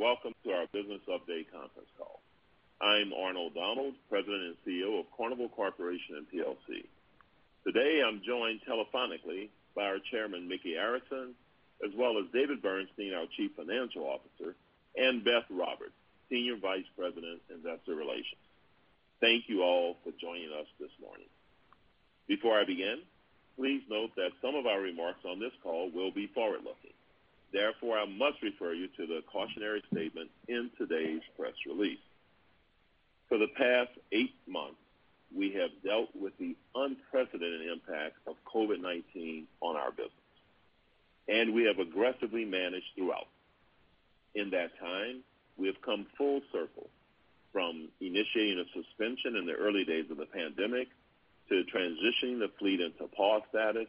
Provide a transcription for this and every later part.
Welcome to our business update conference call. I'm Arnold Donald, President and CEO of Carnival Corporation & plc. Today, I'm joined telephonically by our Chairman, Micky Arison, as well as David Bernstein, our Chief Financial Officer, and Beth Roberts, Senior Vice President, Investor Relations. Thank you all for joining us this morning. Before I begin, please note that some of our remarks on this call will be forward-looking. Therefore, I must refer you to the cautionary statement in today's press release. For the past eight months, we have dealt with the unprecedented impact of COVID-19 on our business, and we have aggressively managed throughout. In that time, we have come full circle from initiating a suspension in the early days of the pandemic to transitioning the fleet into pause status,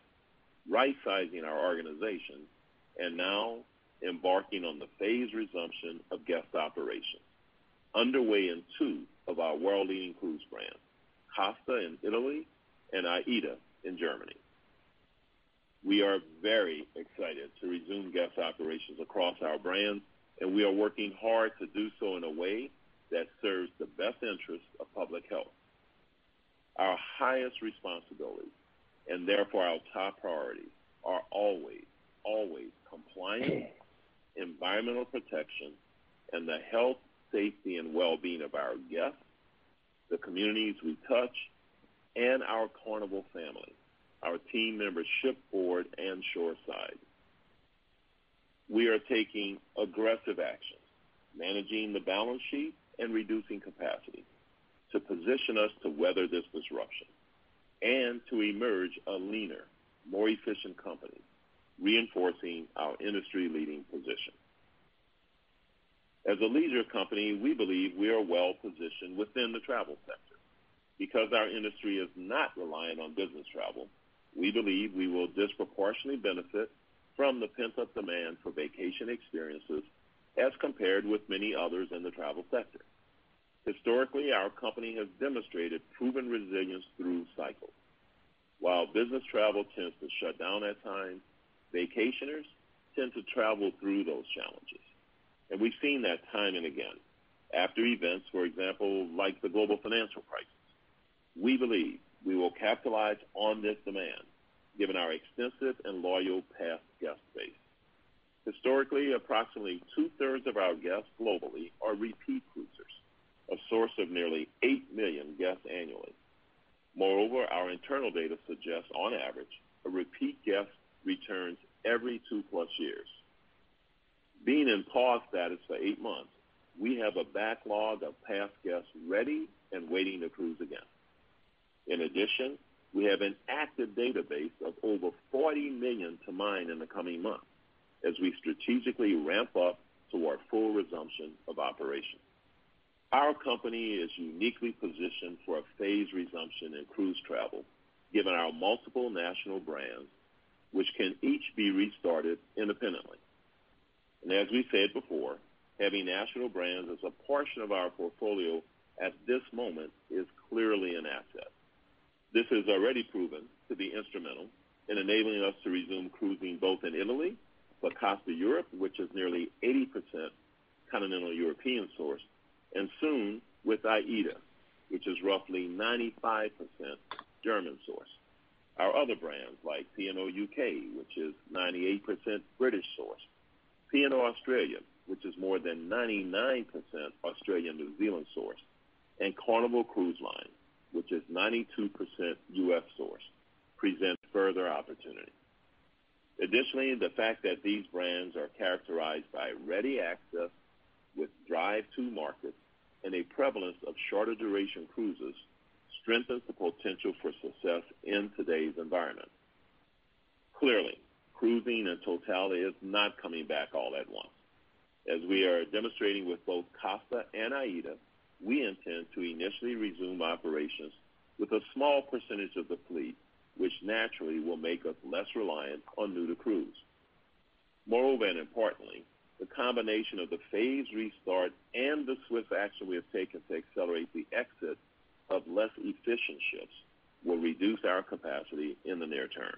rightsizing our organization, and now embarking on the phased resumption of guest operations, underway in two of our world-leading cruise brands, Costa in Italy and AIDA in Germany. We are very excited to resume guest operations across our brands, and we are working hard to do so in a way that serves the best interest of public health. Our highest responsibilities, and therefore our top priorities, are always compliance, environmental protection, and the health, safety, and well-being of our guests, the communities we touch, and our Carnival family, our team members shipboard and shoreside. We are taking aggressive action, managing the balance sheet and reducing capacity to position us to weather this disruption and to emerge a leaner, more efficient company, reinforcing our industry-leading position. As a leisure company, we believe we are well-positioned within the travel sector. Because our industry is not reliant on business travel, we believe we will disproportionately benefit from the pent-up demand for vacation experiences as compared with many others in the travel sector. Historically, our company has demonstrated proven resilience through cycles. While business travel tends to shut down at times, vacationers tend to travel through those challenges. We've seen that time and again after events, for example, like the global financial crisis. We believe we will capitalize on this demand, given our extensive and loyal past guest base. Historically, approximately two-thirds of our guests globally are repeat cruisers, a source of nearly 8 million guests annually. Moreover, our internal data suggests, on average, a repeat guest returns every two-plus years. Being in pause status for eight months, we have a backlog of past guests ready and waiting to cruise again. In addition, we have an active database of over 40 million to mine in the coming months as we strategically ramp up to our full resumption of operations. Our company is uniquely positioned for a phased resumption in cruise travel, given our multiple national brands, which can each be restarted independently. As we've said before, having national brands as a portion of our portfolio at this moment is clearly an asset. This has already proven to be instrumental in enabling us to resume cruising both in Italy for Costa Europe, which is nearly 80% continental European-sourced, and soon with AIDA, which is roughly 95% German-sourced. Our other brands, like P&O UK, which is 98% British-sourced, P&O Australia, which is more than 99% Australian-New Zealand-sourced, and Carnival Cruise Line, which is 92% U.S.-sourced, present further opportunity. Additionally, the fact that these brands are characterized by ready access with drive-to markets and a prevalence of shorter-duration cruises strengthens the potential for success in today's environment. Clearly, cruising in totality is not coming back all at once. As we are demonstrating with both Costa and AIDA, we intend to initially resume operations with a small percentage of the fleet, which naturally will make us less reliant on new-to-cruise. Moreover and importantly, the combination of the phased restart and the swift action we have taken to accelerate the exit of less efficient ships will reduce our capacity in the near term.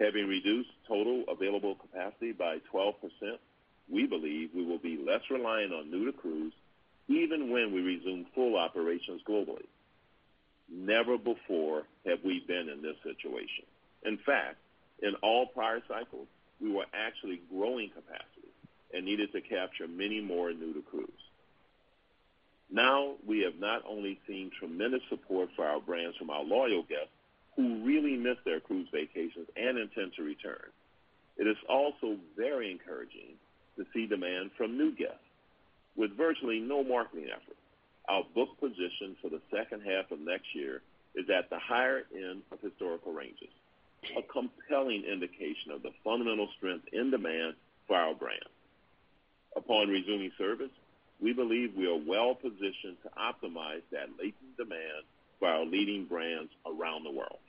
Having reduced total available capacity by 12%, we believe we will be less reliant on new-to-cruise even when we resume full operations globally. Never before have we been in this situation. In fact, in all prior cycles, we were actually growing capacity and needed to capture many more new to cruise. Now, we have not only seen tremendous support for our brands from our loyal guests who really miss their cruise vacations and intend to return, it is also very encouraging to see demand from new guests. With virtually no marketing effort, our book position for the second half of next year is at the higher end of historical ranges, a compelling indication of the fundamental strength in demand for our brands. Upon resuming service, we believe we are well-positioned to optimize that latent demand for our leading brands around the world.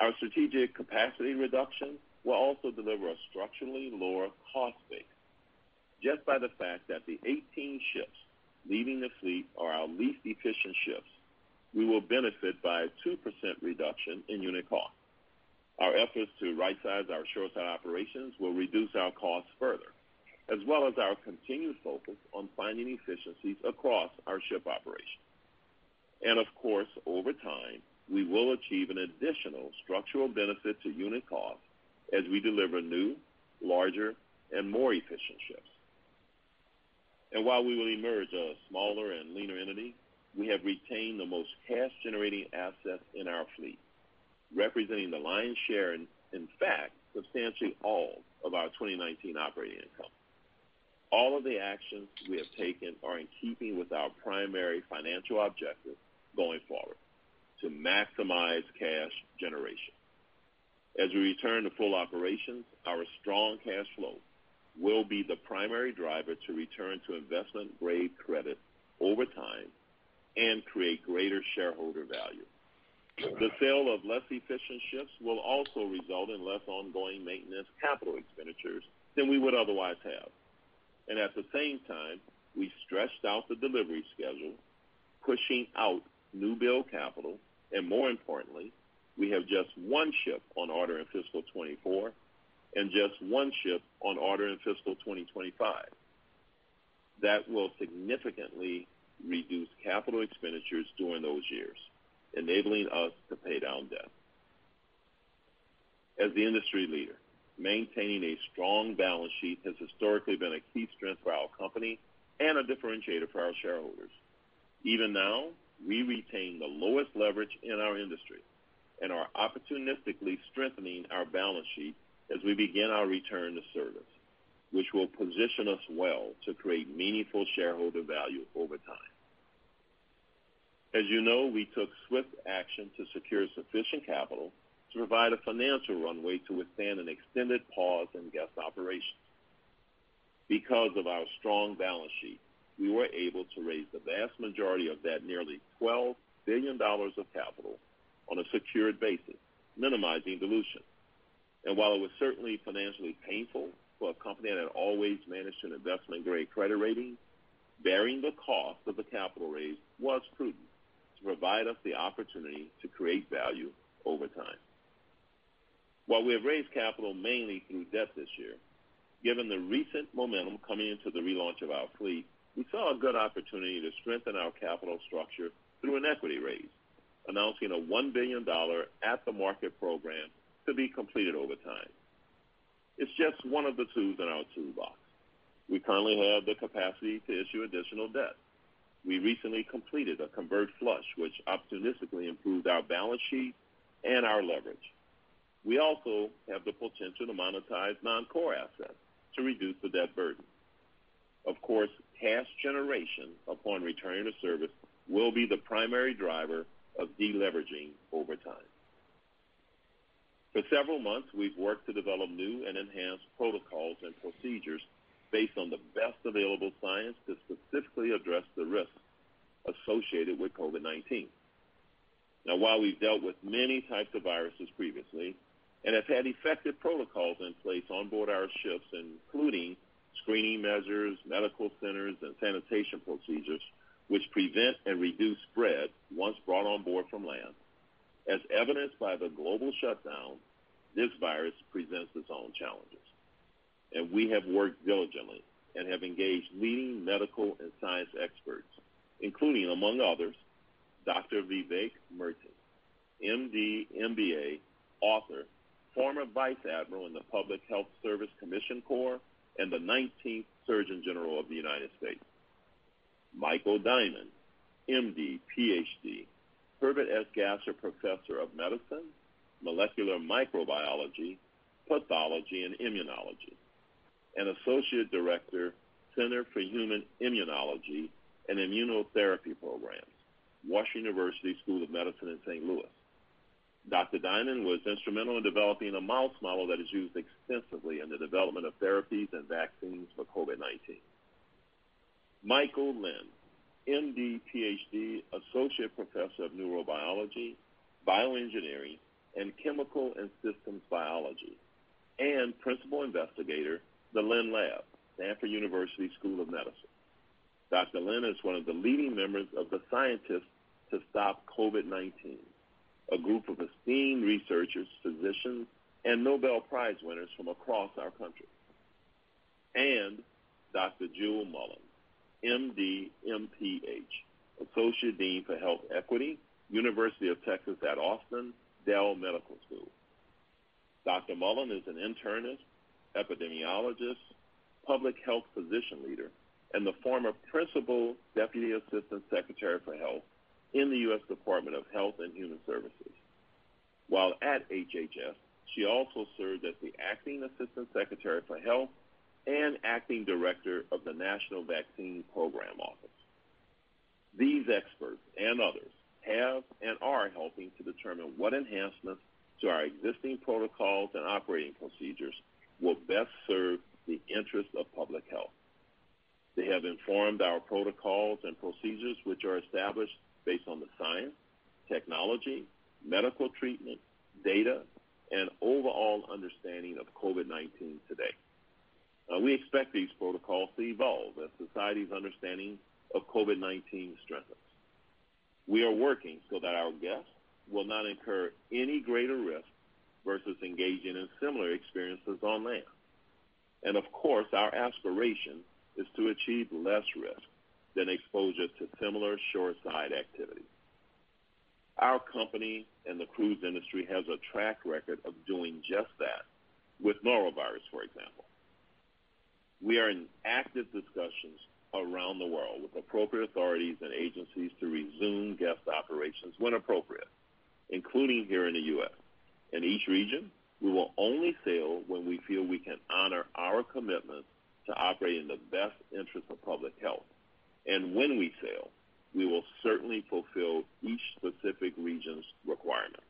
Our strategic capacity reduction will also deliver a structurally lower cost. Just by the fact that the 18 ships leaving the fleet are our least efficient ships, we will benefit by a 2% reduction in unit cost. Our efforts to right-size our shoreside operations will reduce our costs further, as well as our continued focus on finding efficiencies across our ship operations. Of course, over time, we will achieve an additional structural benefit to unit cost as we deliver new, larger, and more efficient ships. While we will emerge a smaller and leaner entity, we have retained the most cash-generating assets in our fleet, representing the lion's share, in fact, substantially all of our 2019 operating income. All of the actions we have taken are in keeping with our primary financial objective going forward, to maximize cash generation. As we return to full operations, our strong cash flow will be the primary driver to return to investment-grade credit over time and create greater shareholder value. The sale of less efficient ships will also result in less ongoing maintenance capital expenditures than we would otherwise have. At the same time, we've stretched out the delivery schedule, pushing out new build capital, and more importantly, we have just one ship on order in fiscal 2024 and just one ship on order in fiscal 2025. That will significantly reduce capital expenditures during those years, enabling us to pay down debt. As the industry leader, maintaining a strong balance sheet has historically been a key strength for our company and a differentiator for our shareholders. Even now, we retain the lowest leverage in our industry and are opportunistically strengthening our balance sheet as we begin our return to service, which will position us well to create meaningful shareholder value over time. As you know, we took swift action to secure sufficient capital to provide a financial runway to withstand an extended pause in guest operations. Because of our strong balance sheet, we were able to raise the vast majority of that nearly $12 billion of capital on a secured basis, minimizing dilution. While it was certainly financially painful for a company that had always managed an investment-grade credit rating, bearing the cost of the capital raise was prudent to provide us the opportunity to create value over time. While we have raised capital mainly through debt this year, given the recent momentum coming into the relaunch of our fleet, we saw a good opportunity to strengthen our capital structure through an equity raise, announcing a $1 billion at-the-market program to be completed over time. It's just one of the tools in our toolbox. We currently have the capacity to issue additional debt. We recently completed a convert flush, which opportunistically improved our balance sheet and our leverage. We also have the potential to monetize non-core assets to reduce the debt burden. Of course, cash generation upon returning to service will be the primary driver of de-leveraging over time. For several months, we've worked to develop new and enhanced protocols and procedures based on the best available science to specifically address the risks associated with COVID-19. Now, while we've dealt with many types of viruses previously and have had effective protocols in place on board our ships, including screening measures, medical centers, and sanitation procedures, which prevent and reduce spread once brought on board from land, as evidenced by the global shutdown, this virus presents its own challenges. We have worked diligently and have engaged leading medical and science experts, including, among others, Dr. Vivek Murthy, MD, MBA, author, former vice admiral in the Public Health Service Commissioned Corps, and the 19th Surgeon General of the United States. Michael Diamond, MD, PhD, Herbert S. Gasser Professor of Medicine, Molecular Microbiology, Pathology, and Immunology, and Associate Director, Center for Human Immunology and Immunotherapy Programs, Washington University School of Medicine in St. Louis. Dr. Diamond was instrumental in developing a mouse model that is used extensively in the development of therapies and vaccines for COVID-19. Michael Lin, MD, PhD, Associate Professor of Neurobiology, Bioengineering, and Chemical and Systems Biology, and Principal Investigator, the Lin Lab, Stanford University School of Medicine. Dr. Lin is one of the leading members of the Scientists to Stop COVID-19, a group of esteemed researchers, physicians, and Nobel Prize winners from across our country. Dr. Jewel Mullen, MD, MPH, Associate Dean for Health Equity, Dell Medical School at The University of Texas at Austin. Dr. Mullen is an internist, epidemiologist, public health physician leader, and the former Principal Deputy Assistant Secretary for Health in the U.S. Department of Health and Human Services. While at HHS, she also served as the Acting Assistant Secretary for Health and Acting Director of the National Vaccine Program Office. These experts and others have and are helping to determine what enhancements to our existing protocols and operating procedures will best serve the interest of public health. They have informed our protocols and procedures which are established based on the science, technology, medical treatment, data, and overall understanding of COVID-19 today. We expect these protocols to evolve as society's understanding of COVID-19 strengthens. We are working that our guests will not incur any greater risk versus engaging in similar experiences on land. Of course, our aspiration is to achieve less risk than exposure to similar shoreside activity. Our company and the cruise industry has a track record of doing just that with norovirus, for example. We are in active discussions around the world with appropriate authorities and agencies to resume guest operations when appropriate, including here in the U.S. In each region, we will only sail when we feel we can honor our commitment to operate in the best interest of public health. When we sail, we will certainly fulfill each specific region's requirements,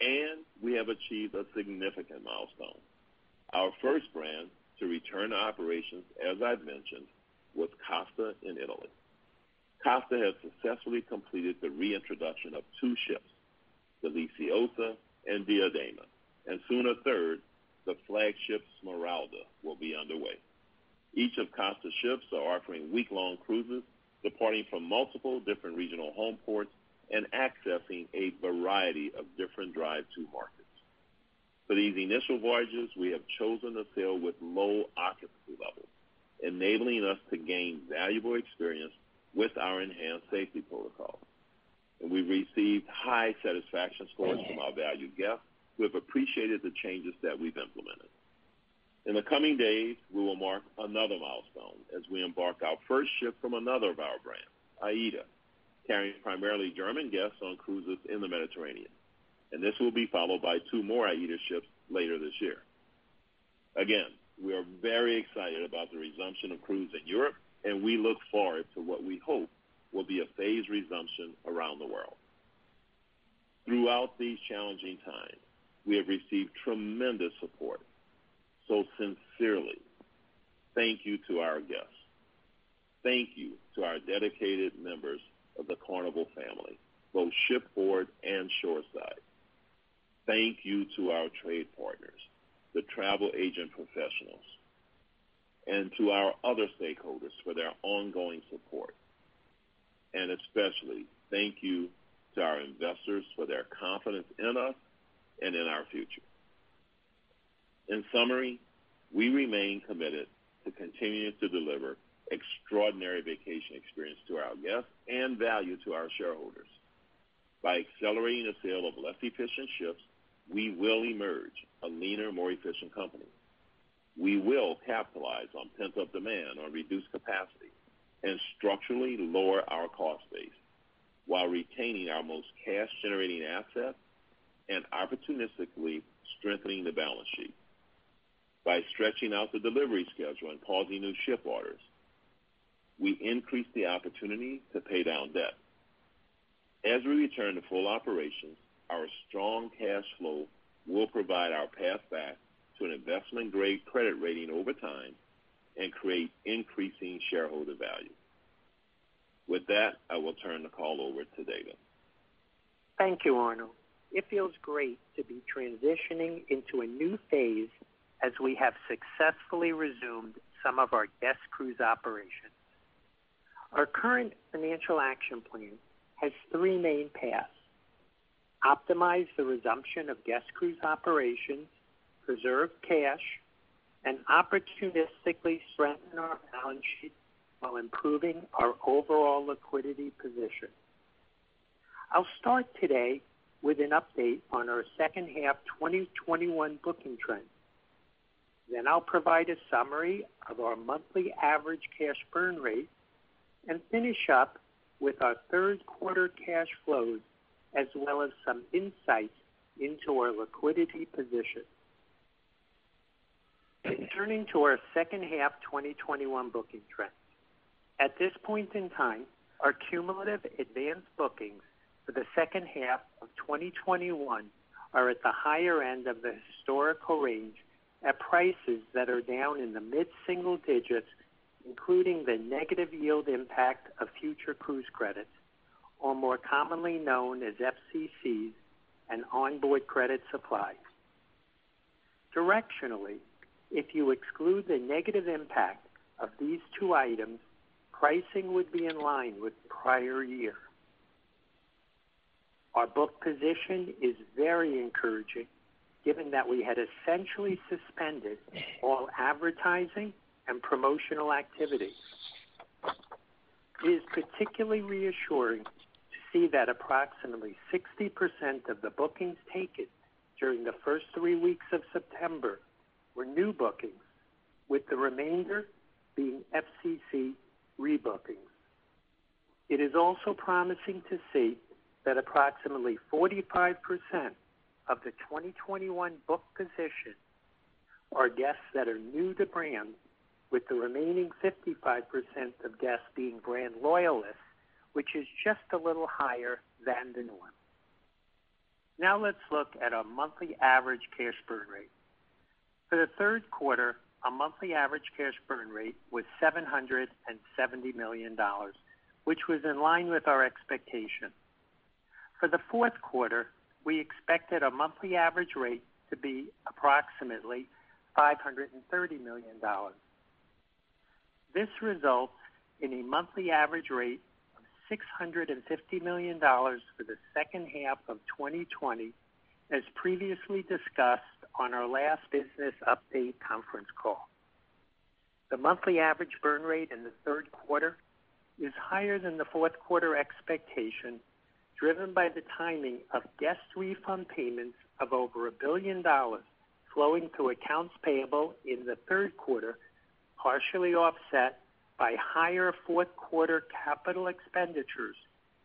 and we have achieved a significant milestone. Our first brand to return to operations, as I've mentioned, was Costa in Italy. Costa has successfully completed the reintroduction of two ships, the Deliziosa and Diadema, and soon a third, the flagship Smeralda, will be underway. Each of Costa's ships are offering week-long cruises departing from multiple different regional home ports and accessing a variety of different drive-to markets. For these initial voyages, we have chosen to sail with low occupancy levels, enabling us to gain valuable experience with our enhanced safety protocols. We've received high satisfaction scores from our valued guests who have appreciated the changes that we've implemented. In the coming days, we will mark another milestone as we embark our first ship from another of our brands, AIDA, carrying primarily German guests on cruises in the Mediterranean, and this will be followed by two more AIDA ships later this year. Again, we are very excited about the resumption of cruise in Europe, and we look forward to what we hope will be a phased resumption around the world. Throughout these challenging times, we have received tremendous support. Sincerely, thank you to our guests. Thank you to our dedicated members of the Carnival family, both shipboard and shoreside. Thank you to our trade partners, the travel agent professionals, and to our other stakeholders for their ongoing support. Especially thank you to our investors for their confidence in us and in our future. In summary, we remain committed to continuing to deliver extraordinary vacation experience to our guests and value to our shareholders. By accelerating the sale of less efficient ships, we will emerge a leaner, more efficient company. We will capitalize on pent-up demand on reduced capacity and structurally lower our cost base while retaining our most cash-generating asset and opportunistically strengthening the balance sheet. By stretching out the delivery schedule and pausing new ship orders, we increase the opportunity to pay down debt. As we return to full operations, our strong cash flow will provide our path back to an investment-grade credit rating over time and create increasing shareholder value. With that, I will turn the call over to David. Thank you, Arnold. It feels great to be transitioning into a new phase as we have successfully resumed some of our guest cruise operations. Our current financial action plan has three main paths: optimize the resumption of guest cruise operations, preserve cash, and opportunistically strengthen our balance sheet while improving our overall liquidity position. I'll start today with an update on our H2 2021 booking trends. I'll provide a summary of our monthly average cash burn rate and finish up with our third quarter cash flows as well as some insights into our liquidity position. Turning to our H2 2021 booking trends, at this point in time, our cumulative advanced bookings for the H2 of 2021 are at the higher end of the historical range at prices that are down in the mid-single digits, including the negative yield impact of Future Cruise Credits, or more commonly known as FCCs and onboard credit supplies. Directionally, if you exclude the negative impact of these two items, pricing would be in line with prior year. Our book position is very encouraging given that we had essentially suspended all advertising and promotional activities. It is particularly reassuring to see that approximately 60% of the bookings taken during the first three weeks of September were new bookings, with the remainder being FCC rebookings. It is also promising to see that approximately 45% of the 2021 book position are guests that are new to brand, with the remaining 55% of guests being brand loyalists, which is just a little higher than the norm. Now let's look at our monthly average cash burn rate. For the Q3, our monthly average cash burn rate was $770 million, which was in line with our expectation. For the Q4, we expected a monthly average rate to be approximately $530 million. This results in a monthly average rate of $650 million for the H2 of 2020, as previously discussed on our last business update conference call. The monthly average burn rate in the Q3 is higher than the Q4 expectation, driven by the timing of guest refund payments of over $1 billion flowing through accounts payable in the Q3, partially offset by higher Q4 capital expenditures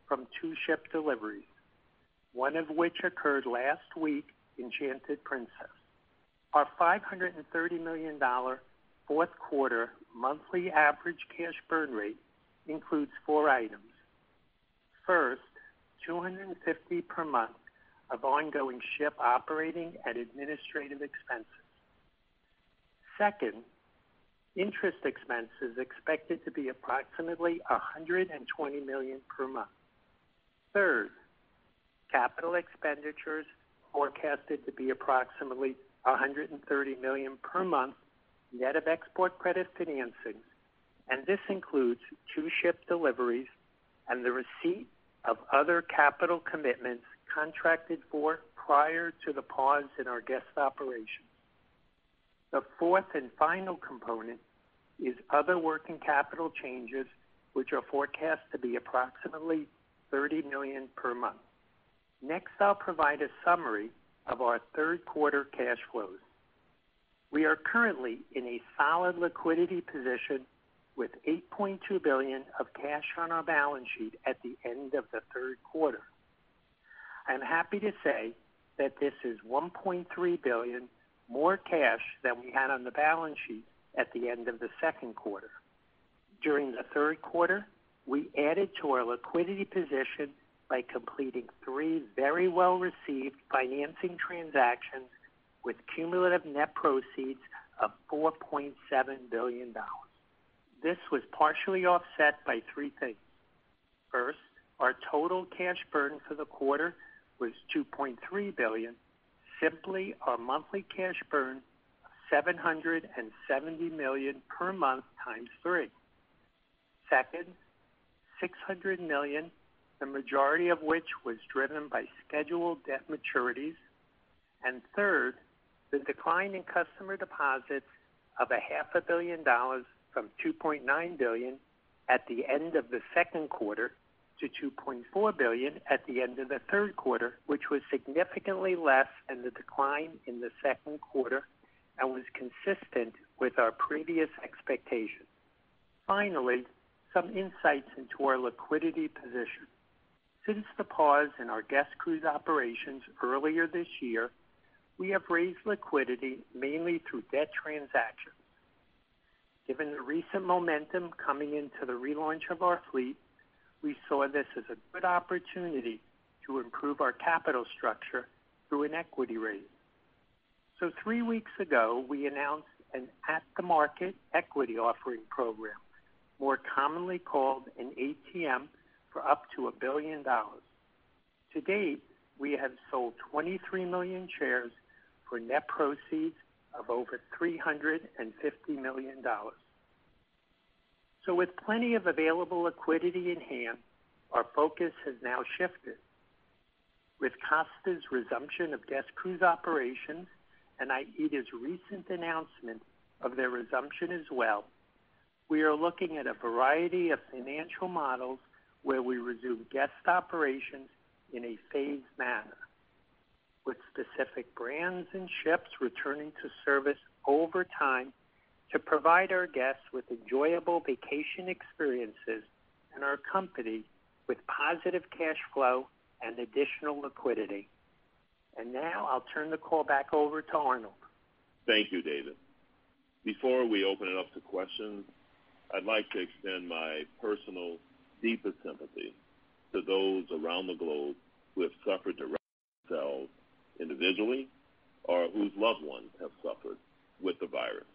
from two ship deliveries, one of which occurred last week, Enchanted Princess. Our $530 million Q4 monthly average cash burn rate includes four items. First, $250 million per month of ongoing ship operating and administrative expenses. Second, interest expense is expected to be approximately $120 million per month. Third, capital expenditures forecasted to be approximately $130 million per month, net of export credit financing, and this includes two ship deliveries and the receipt of other capital commitments contracted for prior to the pause in our guest operations. The fourth and final component is other working capital changes, which are forecast to be approximately $30 million per month. Next, I'll provide a summary of our Q3 cash flows. We are currently in a solid liquidity position with $8.2 billion of cash on our balance sheet at the end of the Q3. I'm happy to say that this is $1.3 billion more cash than we had on the balance sheet at the end of the Q2. During the Q3, we added to our liquidity position by completing three very well-received financing transactions with cumulative net proceeds of $4.7 billion. This was partially offset by three things. First, our total cash burn for the quarter was $2.3 billion. Simply our monthly cash burn, $770 million per month times three. Second, $600 million, the majority of which was driven by scheduled debt maturities. Third, the decline in customer deposits of a $500 million from $2.9 billion at the end of the Q2 to $2.4 billion at the end of the Q3, which was significantly less than the decline in the Q2 and was consistent with our previous expectations. Finally, some insights into our liquidity position. Since the pause in our guest cruise operations earlier this year, we have raised liquidity mainly through debt transactions. Given the recent momentum coming into the relaunch of our fleet, we saw this as a good opportunity to improve our capital structure through an equity raise. Three weeks ago, we announced an at-the-market equity offering program, more commonly called an ATM, for up to $1 billion. To date, we have sold 23 million shares for net proceeds of over $350 million. With plenty of available liquidity in hand, our focus has now shifted. With Costa's resumption of guest cruise operations and AIDA's recent announcement of their resumption as well, we are looking at a variety of financial models where we resume guest operations in a phased manner, with specific brands and ships returning to service over time to provide our guests with enjoyable vacation experiences and our company with positive cash flow and additional liquidity. Now I'll turn the call back over to Arnold. Thank you, David. Before we open it up to questions, I'd like to extend my personal deepest sympathy to those around the globe who have suffered directly themselves individually, or whose loved ones have suffered with the virus.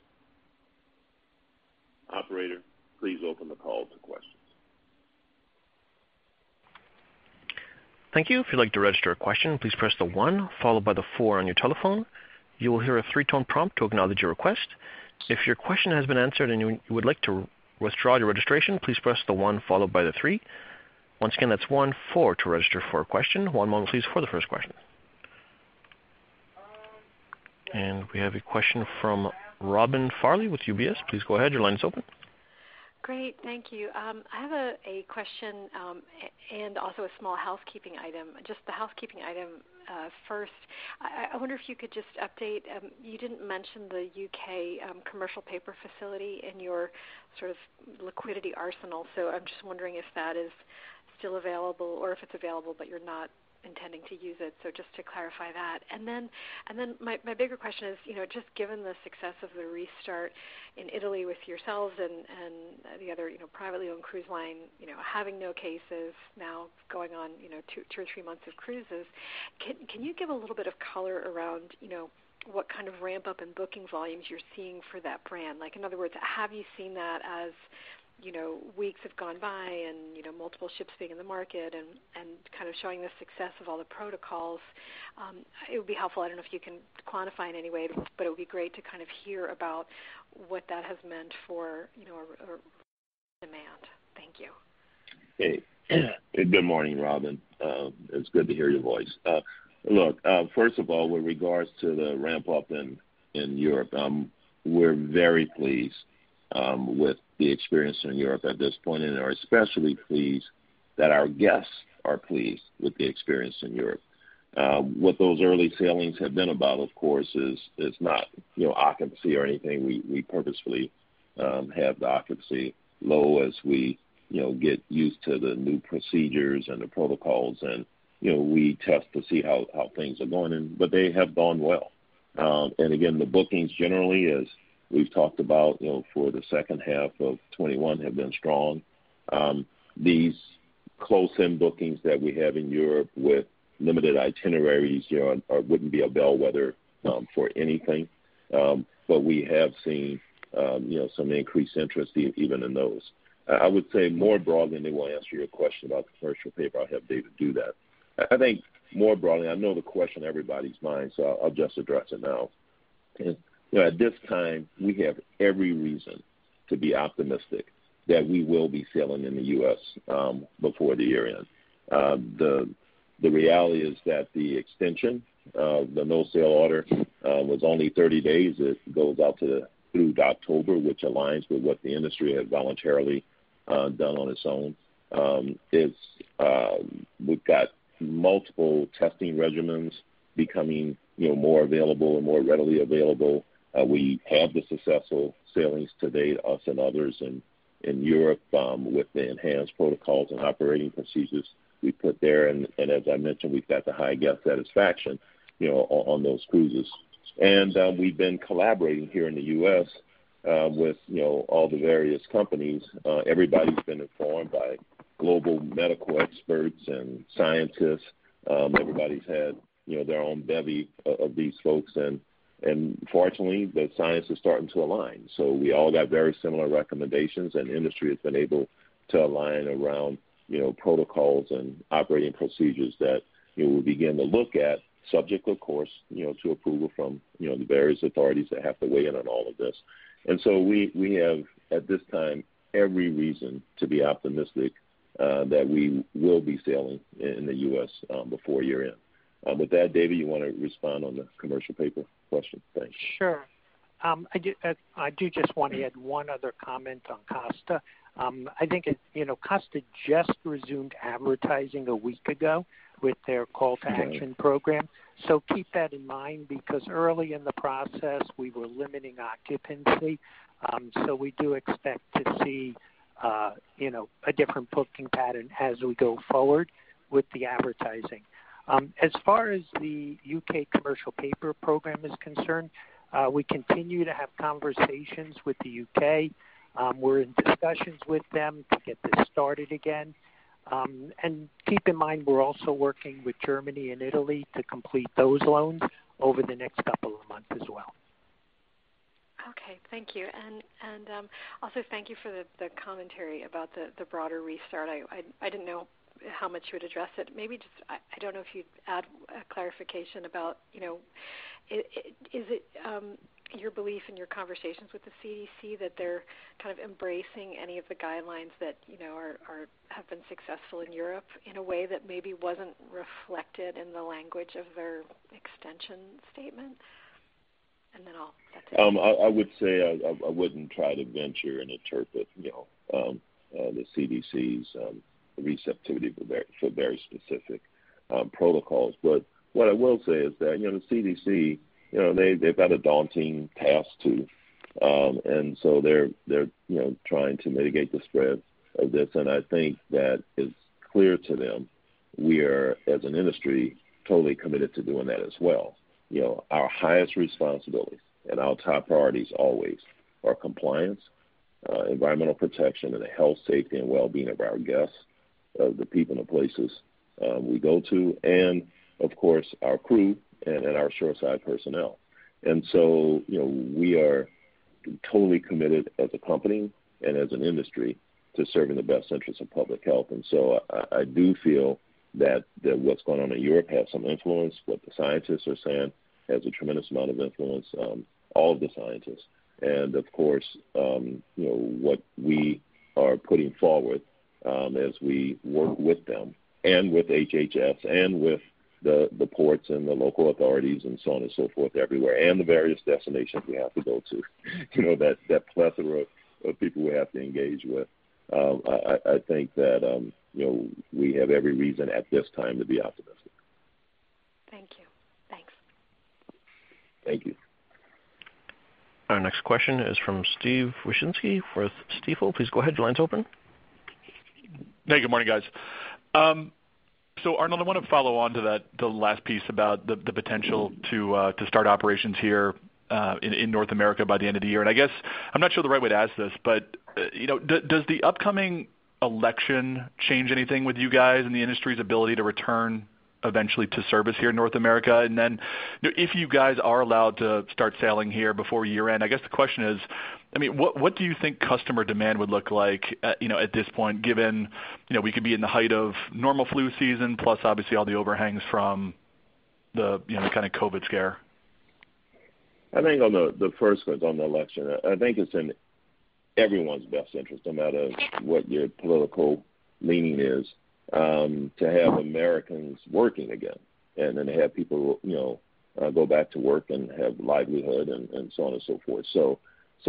Operator, please open the call to questions. Thank you. If you'd like to register a question, please press the one followed by the four on your telephone. You will hear a three-tone prompt to acknowledge your request. If your question has been answered and you would like to withdraw your registration, please press the one followed by the three. Once again, that's one, four to register for a question. One moment please for the first question. We have a question from Robin Farley with UBS. Please go ahead. Your line is open. Great. Thank you. I have a question, and also a small housekeeping item. Just the housekeeping item first. I wonder if you could just update, you didn't mention the U.K. commercial paper facility in your sort of liquidity arsenal. I'm just wondering if that is still available or if it's available but you're not intending to use it. Just to clarify that. My bigger question is, just given the success of the restart in Italy with yourselves and the other privately owned cruise line having no cases now going on two or three months of cruises, can you give a little bit of color around what kind of ramp-up in booking volumes you're seeing for that brand? Like in other words, have you seen that as weeks have gone by and multiple ships being in the market and kind of showing the success of all the protocols? It would be helpful, I don't know if you can quantify in any way, but it would be great to kind of hear about what that has meant for Demand. Thank you. Hey. Good morning, Robin. It's good to hear your voice. Look, first of all, with regards to the ramp-up in Europe, we're very pleased with the experience in Europe at this point, and are especially pleased that our guests are pleased with the experience in Europe. What those early sailings have been about, of course, is not occupancy or anything. We purposefully have the occupancy low as we get used to the new procedures and the protocols, and we test to see how things are going. They have gone well. Again, the bookings generally, as we've talked about for the second half of 2021, have been strong. These close-in bookings that we have in Europe with limited itineraries wouldn't be a bellwether for anything. We have seen some increased interest even in those. I would say more broadly, and then we'll answer your question about the commercial paper. I'll have David do that. I think more broadly, I know the question on everybody's mind, so I'll just address it now. At this time, we have every reason to be optimistic that we will be sailing in the U.S. before the year-end. The reality is that the extension of the no-sail order was only 30 days. It goes out through October, which aligns with what the industry has voluntarily done on its own. We've got multiple testing regimens becoming more available and more readily available. We have the successful sailings to date, us and others in Europe, with the enhanced protocols and operating procedures we put there, and as I mentioned, we've got the high guest satisfaction on those cruises. We've been collaborating here in the U.S. with all the various companies. Everybody's been informed by global medical experts and scientists. Everybody's had their own bevy of these folks, and fortunately, the science is starting to align. We all got very similar recommendations, and the industry has been able to align around protocols and operating procedures that we will begin to look at, subject, of course, to approval from the various authorities that have to weigh in on all of this. We have, at this time, every reason to be optimistic that we will be sailing in the U.S. before year-end. With that, David, you want to respond on the commercial paper question? Thanks. Sure. I do just want to add one other comment on Costa. I think Costa just resumed advertising a week ago with their call-to-action program. Keep that in mind, because early in the process, we were limiting occupancy. We do expect to see a different booking pattern as we go forward with the advertising. As far as the U.K. commercial paper program is concerned, we continue to have conversations with the U.K. We're in discussions with them to get this started again. Keep in mind, we're also working with Germany and Italy to complete those loans over the next couple of months as well. Okay. Thank you. Also, thank you for the commentary about the broader restart. I didn't know how much you would address it. I don't know if you'd add clarification about, is it your belief in your conversations with the CDC that they're kind of embracing any of the guidelines that have been successful in Europe in a way that maybe wasn't reflected in the language of their extension statement? Then I'll let that. I would say I wouldn't try to venture and interpret the CDC's receptivity for very specific protocols. What I will say is that the CDC, they've got a daunting task, too, and so they're trying to mitigate the spread of this. I think that it's clear to them we are, as an industry, totally committed to doing that as well. Our highest responsibilities and our top priorities always are compliance, environmental protection, and the health, safety, and well-being of our guests, of the people and the places we go to, and of course, our crew and our shoreside personnel. We are totally committed as a company and as an industry to serving the best interests of public health. I do feel that what's going on in Europe has some influence. What the scientists are saying has a tremendous amount of influence, all of the scientists. Of course, what we are putting forward as we work with them and with HHS and with the ports and the local authorities and so on and so forth everywhere, and the various destinations we have to go to. That plethora of people we have to engage with. I think that we have every reason at this time to be optimistic. Thank you. Thanks. Thank you. Our next question is from Steve Wieczynski with Stifel. Please go ahead. Your line's open. Hey, good morning, guys. Arnold, I want to follow on to the last piece about the potential to start operations here in North America by the end of the year. I guess I'm not sure the right way to ask this, but does the upcoming election change anything with you guys and the industry's ability to return eventually to service here in North America? If you guys are allowed to start sailing here before year-end, I guess the question is, what do you think customer demand would look like at this point, given we could be in the height of normal flu season, plus obviously all the overhangs from the kind of COVID scare? I think on the first one, on the election, I think it's in everyone's best interest, no matter what your political leaning is, to have Americans working again. Have people go back to work and have livelihood, and so on and so forth.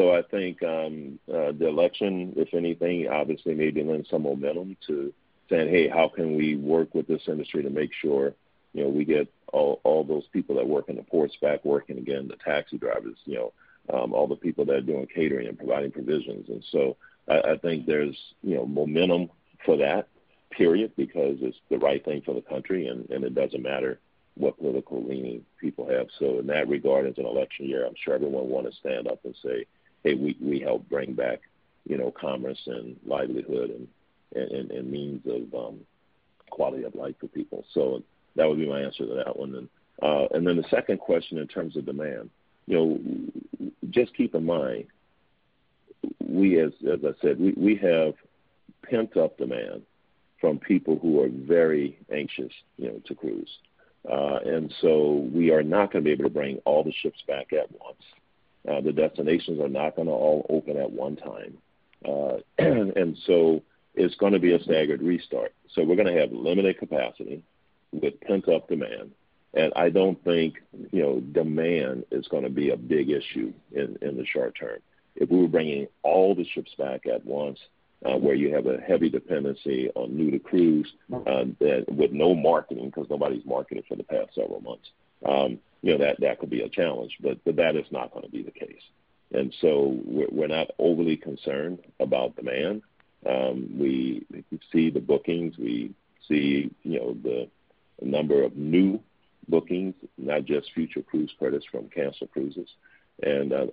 I think, the election, if anything, obviously maybe lend some momentum to saying, "Hey, how can we work with this industry to make sure we get all those people that work in the ports back working again, the taxi drivers, all the people that are doing catering and providing provisions." I think there's momentum for that, period, because it's the right thing for the country, and it doesn't matter what political leaning people have. In that regard, it's an election year. I'm sure everyone will want to stand up and say, "Hey, we helped bring back commerce and livelihood and means of quality of life for people." That would be my answer to that one then. The second question in terms of demand. Just keep in mind, as I said, we have pent-up demand from people who are very anxious to cruise. We are not going to be able to bring all the ships back at once. The destinations are not going to all open at one time. It's going to be a staggered restart. We're going to have limited capacity with pent-up demand, and I don't think demand is going to be a big issue in the short term. If we were bringing all the ships back at once, where you have a heavy dependency on new-to-cruise, with no marketing because nobody's marketed for the past several months. That could be a challenge. That is not going to be the case. We're not overly concerned about demand. We see the bookings, we see the number of new bookings, not just Future Cruise Credits from canceled cruises.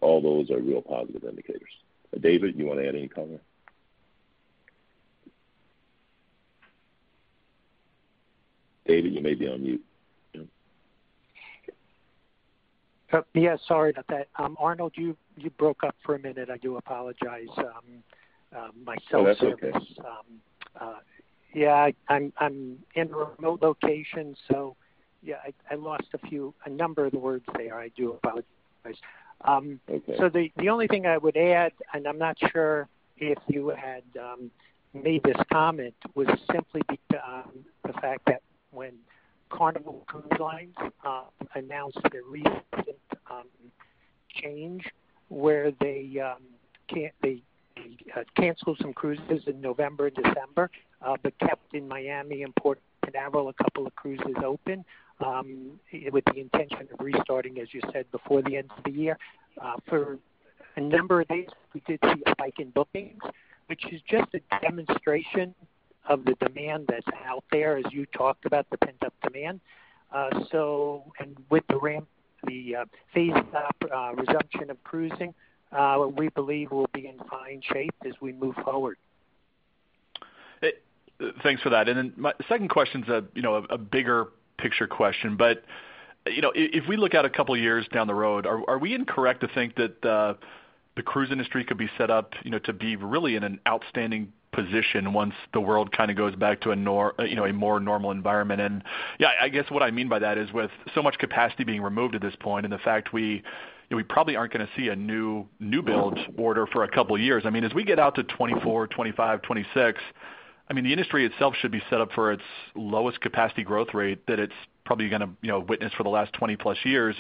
All those are real positive indicators. David, you want to add any comment? David, you may be on mute. Yeah, sorry about that. Arnold, you broke up for a minute. I do apologize. My cell service- Oh, that's okay. Yeah, I'm in a remote location, so yeah, I lost a number of the words there. I do apologize. It's okay. The only thing I would add, and I'm not sure if you had made this comment, was simply the fact that when Carnival Cruise Line announced their recent change where they canceled some cruises in November and December, but kept in Miami and Port Canaveral a couple of cruises open, with the intention of restarting, as you said, before the end of the year. For a number of days, we did see a spike in bookings, which is just a demonstration of the demand that's out there, as you talked about the pent-up demand. With the phased resumption of cruising, we believe we'll be in fine shape as we move forward. Thanks for that. My second question's a bigger picture question, but if we look out a couple of years down the road, are we incorrect to think that the cruise industry could be set up to be really in an outstanding position once the world kind of goes back to a more normal environment? I guess what I mean by that is with so much capacity being removed at this point, and the fact we probably aren't going to see a new build order for a couple of years. As we get out to 2024, 2025, 2026, the industry itself should be set up for its lowest capacity growth rate that it's probably going to witness for the last 20-plus years.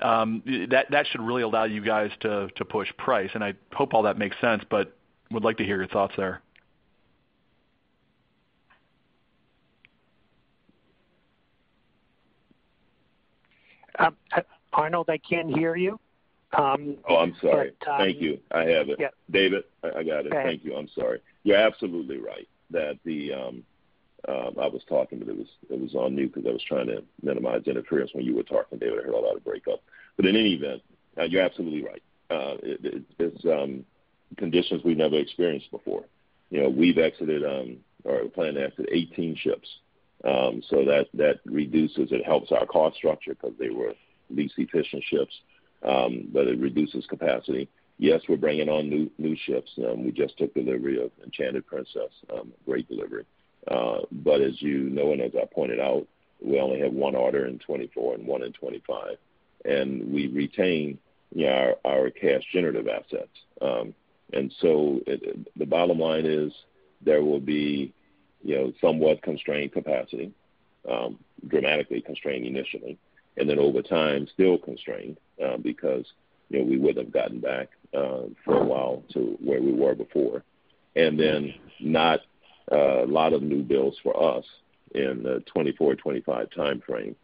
That should really allow you guys to push price. I hope all that makes sense, but would like to hear your thoughts there. Arnold, I can't hear you. Oh, I'm sorry. Thank you. I have it. Yeah. David, I got it. Okay. Thank you. I'm sorry. You're absolutely right. I was talking, but it was on mute because I was trying to minimize interference when you were talking, David. I heard a lot of breakup. In any event, you're absolutely right. It's conditions we've never experienced before. We've exited, or plan to exit 18 ships. That reduces, it helps our cost structure because they were least efficient ships, but it reduces capacity. Yes, we're bringing on new ships. We just took delivery of Enchanted Princess. Great delivery. As you know, and as I pointed out, we only have one order in 2024 and one in 2025. We retain our cash-generative assets. The bottom line is there will be somewhat constrained capacity. Dramatically constrained initially, and then over time, still constrained, because we wouldn't have gotten back for a while to where we were before. Not a lot of new builds for us in the 2024, 2025 timeframe.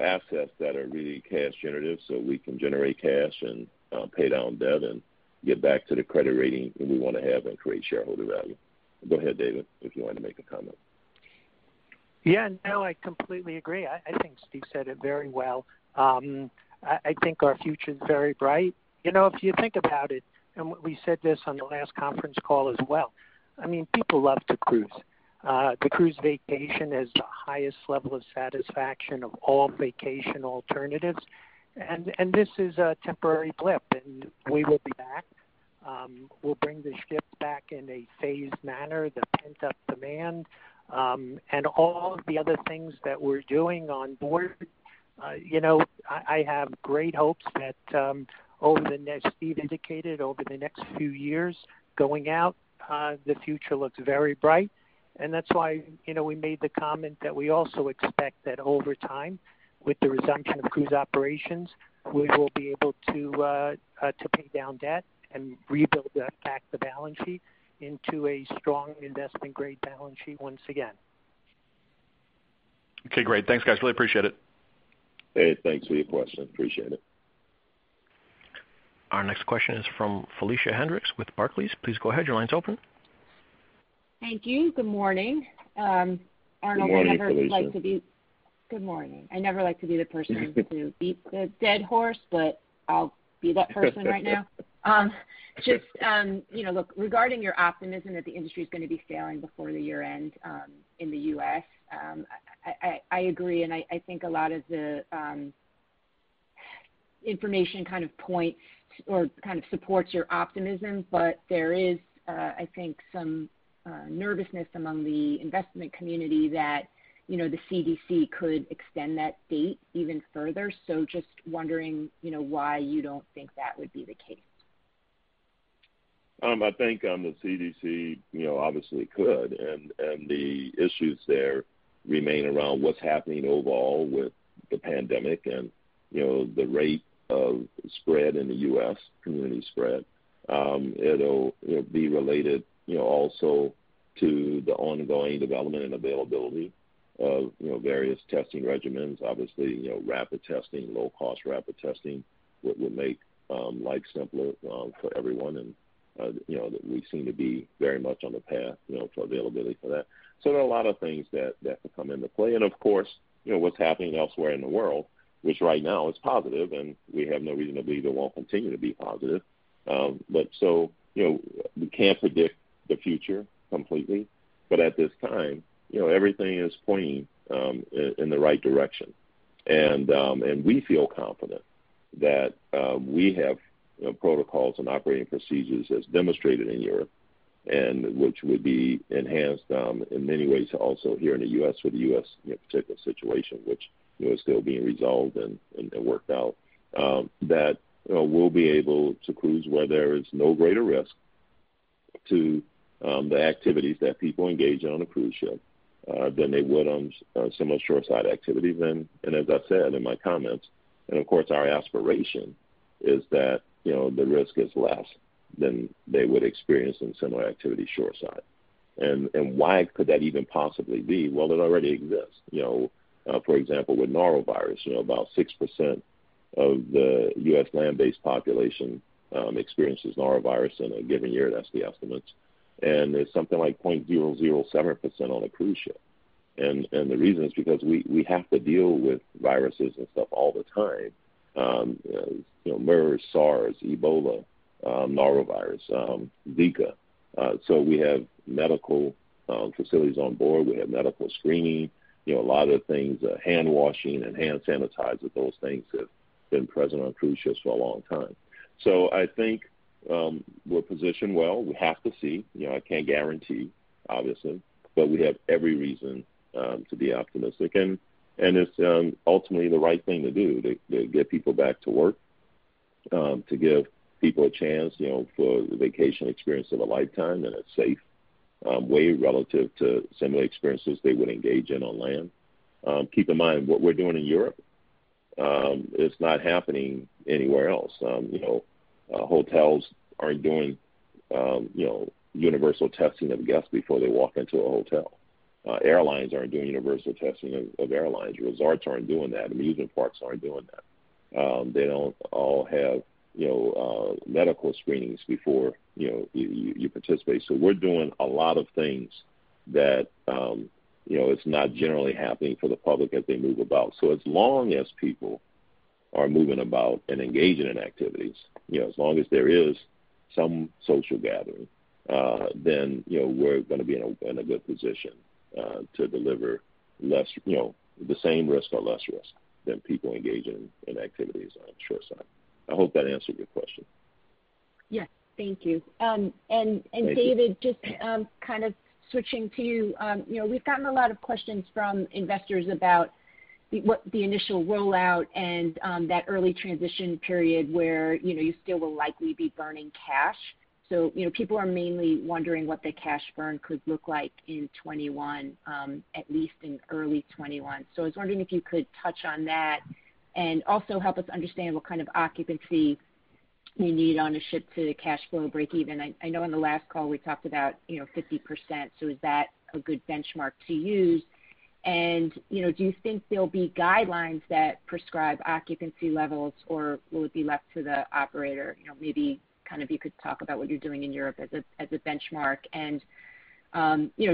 Assets that are really cash generative, so we can generate cash and pay down debt and get back to the credit rating that we want to have and create shareholder value. Go ahead, David, if you wanted to make a comment. Yeah, no, I completely agree. I think Steve said it very well. I think our future's very bright. If you think about it, we said this on the last conference call as well. People love to cruise. The cruise vacation has the highest level of satisfaction of all vacation alternatives, this is a temporary blip, and we will be back. We'll bring the ships back in a phased manner, the pent-up demand, and all of the other things that we're doing on board. I have great hopes that, as Steve indicated, over the next few years going out, the future looks very bright. That's why we made the comment that we also expect that over time, with the resumption of cruise operations, we will be able to pay down debt and rebuild back the balance sheet into a strong investment-grade balance sheet once again. Okay, great. Thanks, guys. Really appreciate it. Hey, thanks for your question. Appreciate it. Our next question is from Felicia Hendrix with Barclays. Please go ahead. Your line's open. Thank you. Good morning. Good morning, Felicia. Good morning. I never like to be the person to beat the dead horse, but I'll be that person right now. Look, regarding your optimism that the industry's going to be sailing before the year-end in the U.S., I agree, and I think a lot of the information kind of points or kind of supports your optimism, but there is, I think, some nervousness among the investment community that the CDC could extend that date even further. Just wondering why you don't think that would be the case. I think the CDC obviously could. The issues there remain around what's happening overall with the pandemic and the rate of spread in the U.S., community spread. It'll be related also to the ongoing development and availability of various testing regimens. Obviously, rapid testing, low-cost rapid testing, would make life simpler for everyone. We seem to be very much on the path to availability for that. There are a lot of things that could come into play. Of course, what's happening elsewhere in the world, which right now is positive. We have no reason to believe it won't continue to be positive. We can't predict the future completely. At this time, everything is pointing in the right direction. We feel confident that we have protocols and operating procedures as demonstrated in Europe, which would be enhanced in many ways also here in the U.S. for the U.S. particular situation, which is still being resolved and worked out, that we'll be able to cruise where there is no greater risk to the activities that people engage in on a cruise ship than they would on similar shoreside activities. As I said in my comments, and of course our aspiration is that the risk is less than they would experience in similar activities shoreside. Why could that even possibly be? Well, it already exists. For example, with norovirus, about 6% of the U.S. land-based population experiences norovirus in a given year. That's the estimates. There's something like 0.007% on a cruise ship. The reason is because we have to deal with viruses and stuff all the time. MERS, SARS, Ebola, norovirus, Zika. We have medical facilities on board. We have medical screening. A lot of the things, hand washing and hand sanitizer, those things have been present on cruise ships for a long time. I think we're positioned well. We have to see. I can't guarantee, obviously, but we have every reason to be optimistic. It's ultimately the right thing to do to get people back to work, to give people a chance for the vacation experience of a lifetime in a safe way relative to similar experiences they would engage in on land. Keep in mind, what we're doing in Europe is not happening anywhere else. Hotels aren't doing universal testing of guests before they walk into a hotel. Airlines aren't doing universal testing of airlines. Resorts aren't doing that. Amusement parks aren't doing that. They don't all have medical screenings before you participate. We're doing a lot of things that is not generally happening for the public as they move about. As long as people are moving about and engaging in activities, as long as there is some social gathering, then we're going to be in a good position to deliver the same risk or less risk than people engaging in activities on the shoreside. I hope that answered your question. Yes. Thank you. Thank you. David, just kind of switching to you. We've gotten a lot of questions from investors about the initial rollout and that early transition period where you still will likely be burning cash. People are mainly wondering what the cash burn could look like in 2021, at least in early 2021. I was wondering if you could touch on that, and also help us understand what kind of occupancy you need on a ship to cash flow breakeven. I know on the last call, we talked about 50%, is that a good benchmark to use? Do you think there'll be guidelines that prescribe occupancy levels, or will it be left to the operator? Maybe kind of you could talk about what you're doing in Europe as a benchmark and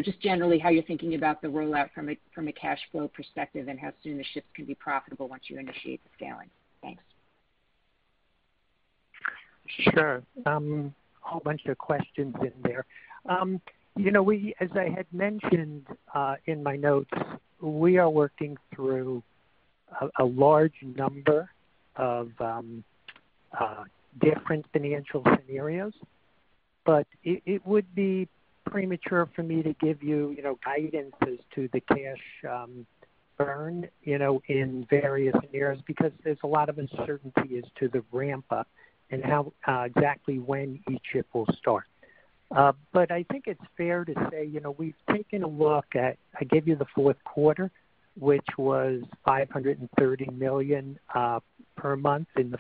just generally how you're thinking about the rollout from a cash flow perspective and how soon the ships can be profitable once you initiate the sailing? Thanks. Sure. Whole bunch of questions in there. As I had mentioned in my notes, we are working through a large number of different financial scenarios, it would be premature for me to give you guidance as to the cash burn in various scenarios, because there's a lot of uncertainty as to the ramp-up and exactly when each ship will start. I think it's fair to say, we've taken a look at, I gave you the Q4, which was $530 million per month in the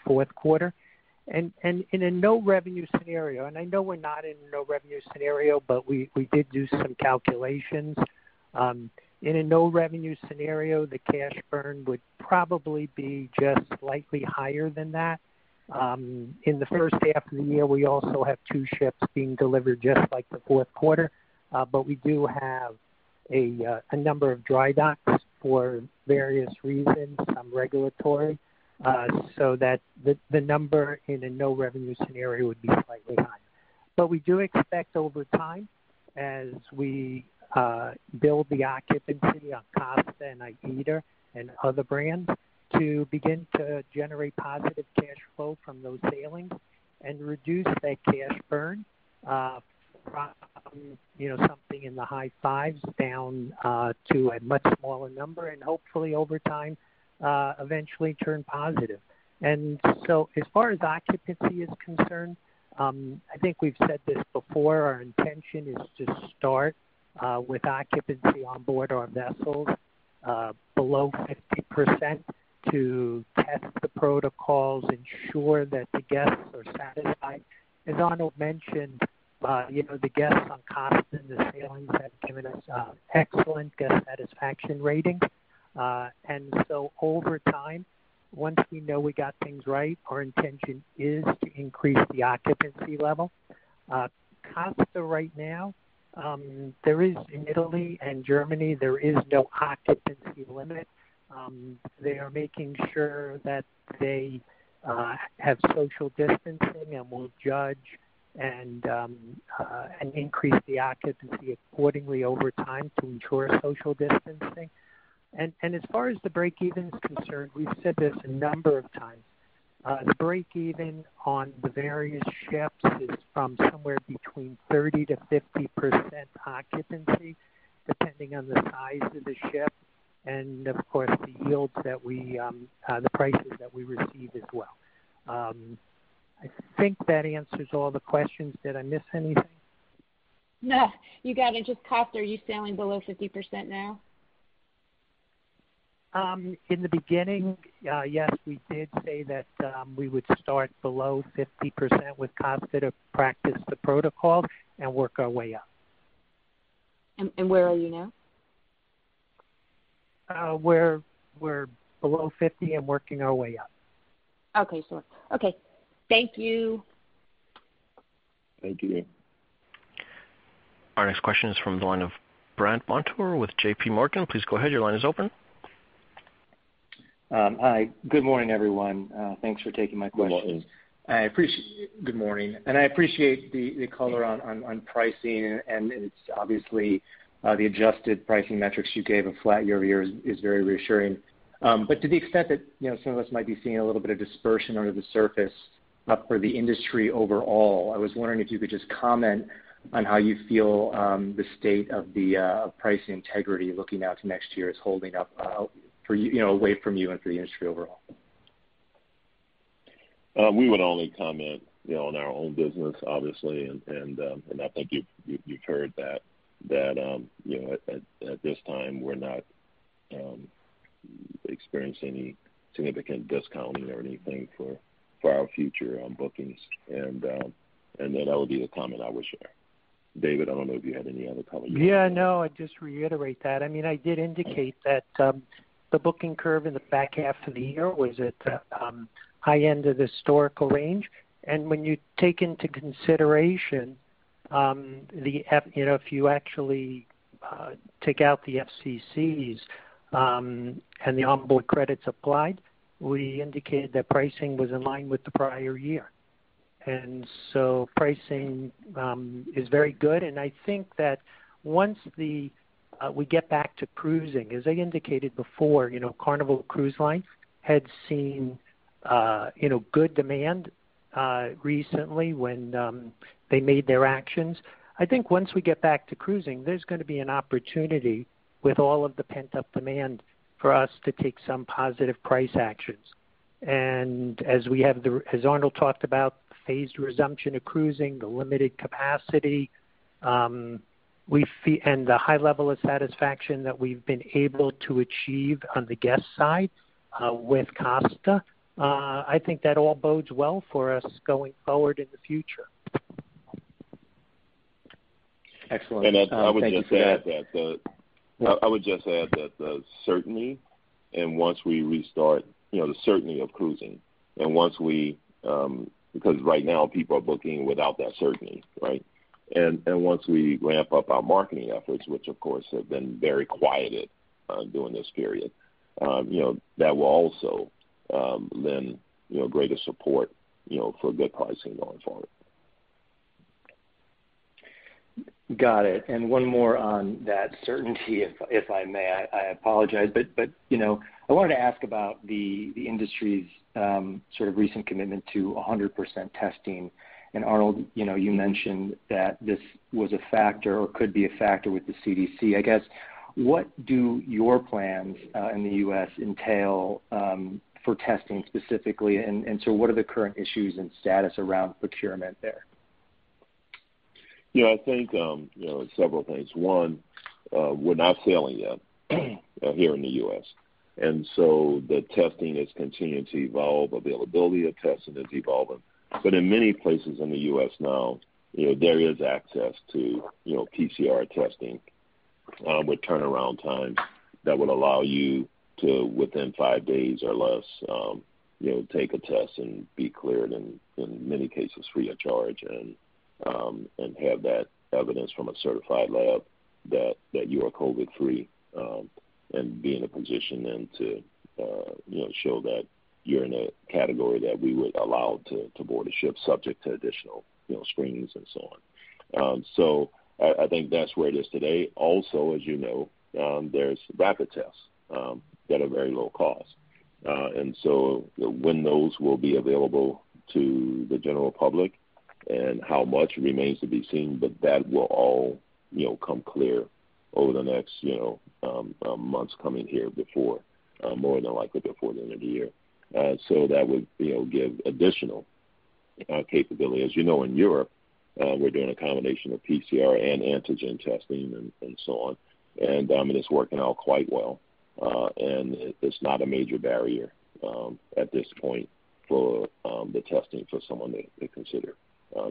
Q4. In a no-revenue scenario, and I know we're not in a no-revenue scenario, but we did do some calculations. In a no-revenue scenario, the cash burn would probably be just slightly higher than that. In the first half of the year, we also have two ships being delivered, just like the Q4. We do have a number of dry docks for various reasons, some regulatory, so that the number in a no-revenue scenario would be slightly higher. We do expect over time, as we build the occupancy on Costa and AIDA and other brands, to begin to generate positive cash flow from those sailings and reduce that cash burn, from something in the high fives down to a much smaller number and hopefully over time, eventually turn positive. As far as occupancy is concerned, I think we've said this before, our intention is to start with occupancy on board our vessels below 50% to test the protocols, ensure that the guests are satisfied. As Arnold mentioned, the guests on Costa and the sailings have given us excellent guest satisfaction ratings. Over time, once we know we got things right, our intention is to increase the occupancy level. Costa right now, in Italy and Germany, there is no occupancy limit. They are making sure that they have social distancing and will judge and increase the occupancy accordingly over time to ensure social distancing. As far as the breakeven is concerned, we've said this a number of times. The breakeven on the various ships is from somewhere between 30%-50% occupancy, depending on the size of the ship, and of course, the prices that we receive as well. I think that answers all the questions. Did I miss anything? No. You got it. Just Costa, are you sailing below 50% now? In the beginning, yes. We did say that we would start below 50% with Costa to practice the protocol and work our way up. Where are you now? We're below 50% and working our way up. Okay. Thank you. Thank you. Our next question is from the line of Brandt Montour with JPMorgan. Please go ahead. Your line is open. Hi. Good morning, everyone. Thanks for taking my question. Good morning. Good morning. I appreciate the color on pricing and, obviously, the adjusted pricing metrics you gave of flat year-over-year is very reassuring. To the extent that some of us might be seeing a little bit of dispersion under the surface for the industry overall, I was wondering if you could just comment on how you feel the state of the pricing integrity looking out to next year is holding up away from you and for the industry overall. We would only comment on our own business, obviously. I think you've heard that at this time, we're not experiencing any significant discounting or anything for our future bookings. That would be the comment I would share. David, I don't know if you had any other comments. Yeah, no. I'd just reiterate that. I did indicate that the booking curve in the back half of the year was at the high end of the historical range. When you take into consideration, if you actually take out the FCCs and the onboard credits applied, we indicated that pricing was in line with the prior year. Pricing is very good, and I think that once we get back to cruising, as I indicated before, Carnival Cruise Line had seen good demand recently when they made their actions. I think once we get back to cruising, there's going to be an opportunity with all of the pent-up demand for us to take some positive price actions. As Arnold talked about, the phased resumption of cruising, the limited capacity, and the high level of satisfaction that we've been able to achieve on the guest side with Costa, I think that all bodes well for us going forward in the future. Excellent. Thank you for that. I would just add that the certainty, and once we restart, the certainty of cruising. Right now people are booking without that certainty, right? Once we ramp up our marketing efforts, which of course have been very quieted during this period, that will also lend greater support for good pricing going forward. Got it. One more on that certainty, if I may. I apologize, but I wanted to ask about the industry's recent commitment to 100% testing. Arnold, you mentioned that this was a factor or could be a factor with the CDC. I guess, what do your plans in the U.S. entail for testing specifically, what are the current issues and status around procurement there? Yeah, I think several things. One, we're not sailing yet here in the U.S., and so the testing is continuing to evolve. Availability of testing is evolving. In many places in the U.S. now, there is access to PCR testing with turnaround times that would allow you to, within five days or less, take a test and be cleared in many cases free of charge and have that evidence from a certified lab that you are COVID free. Be in a position then to show that you're in a category that we would allow to board a ship subject to additional screenings and so on. I think that's where it is today. Also, as you know, there's rapid tests that are very low cost. When those will be available to the general public and how much remains to be seen, but that will all come clear over the next months coming here before, more than likely before the end of the year. That would give additional capability. As you know, in Europe, we're doing a combination of PCR and antigen testing and so on. It's working out quite well. It's not a major barrier at this point for the testing for someone to consider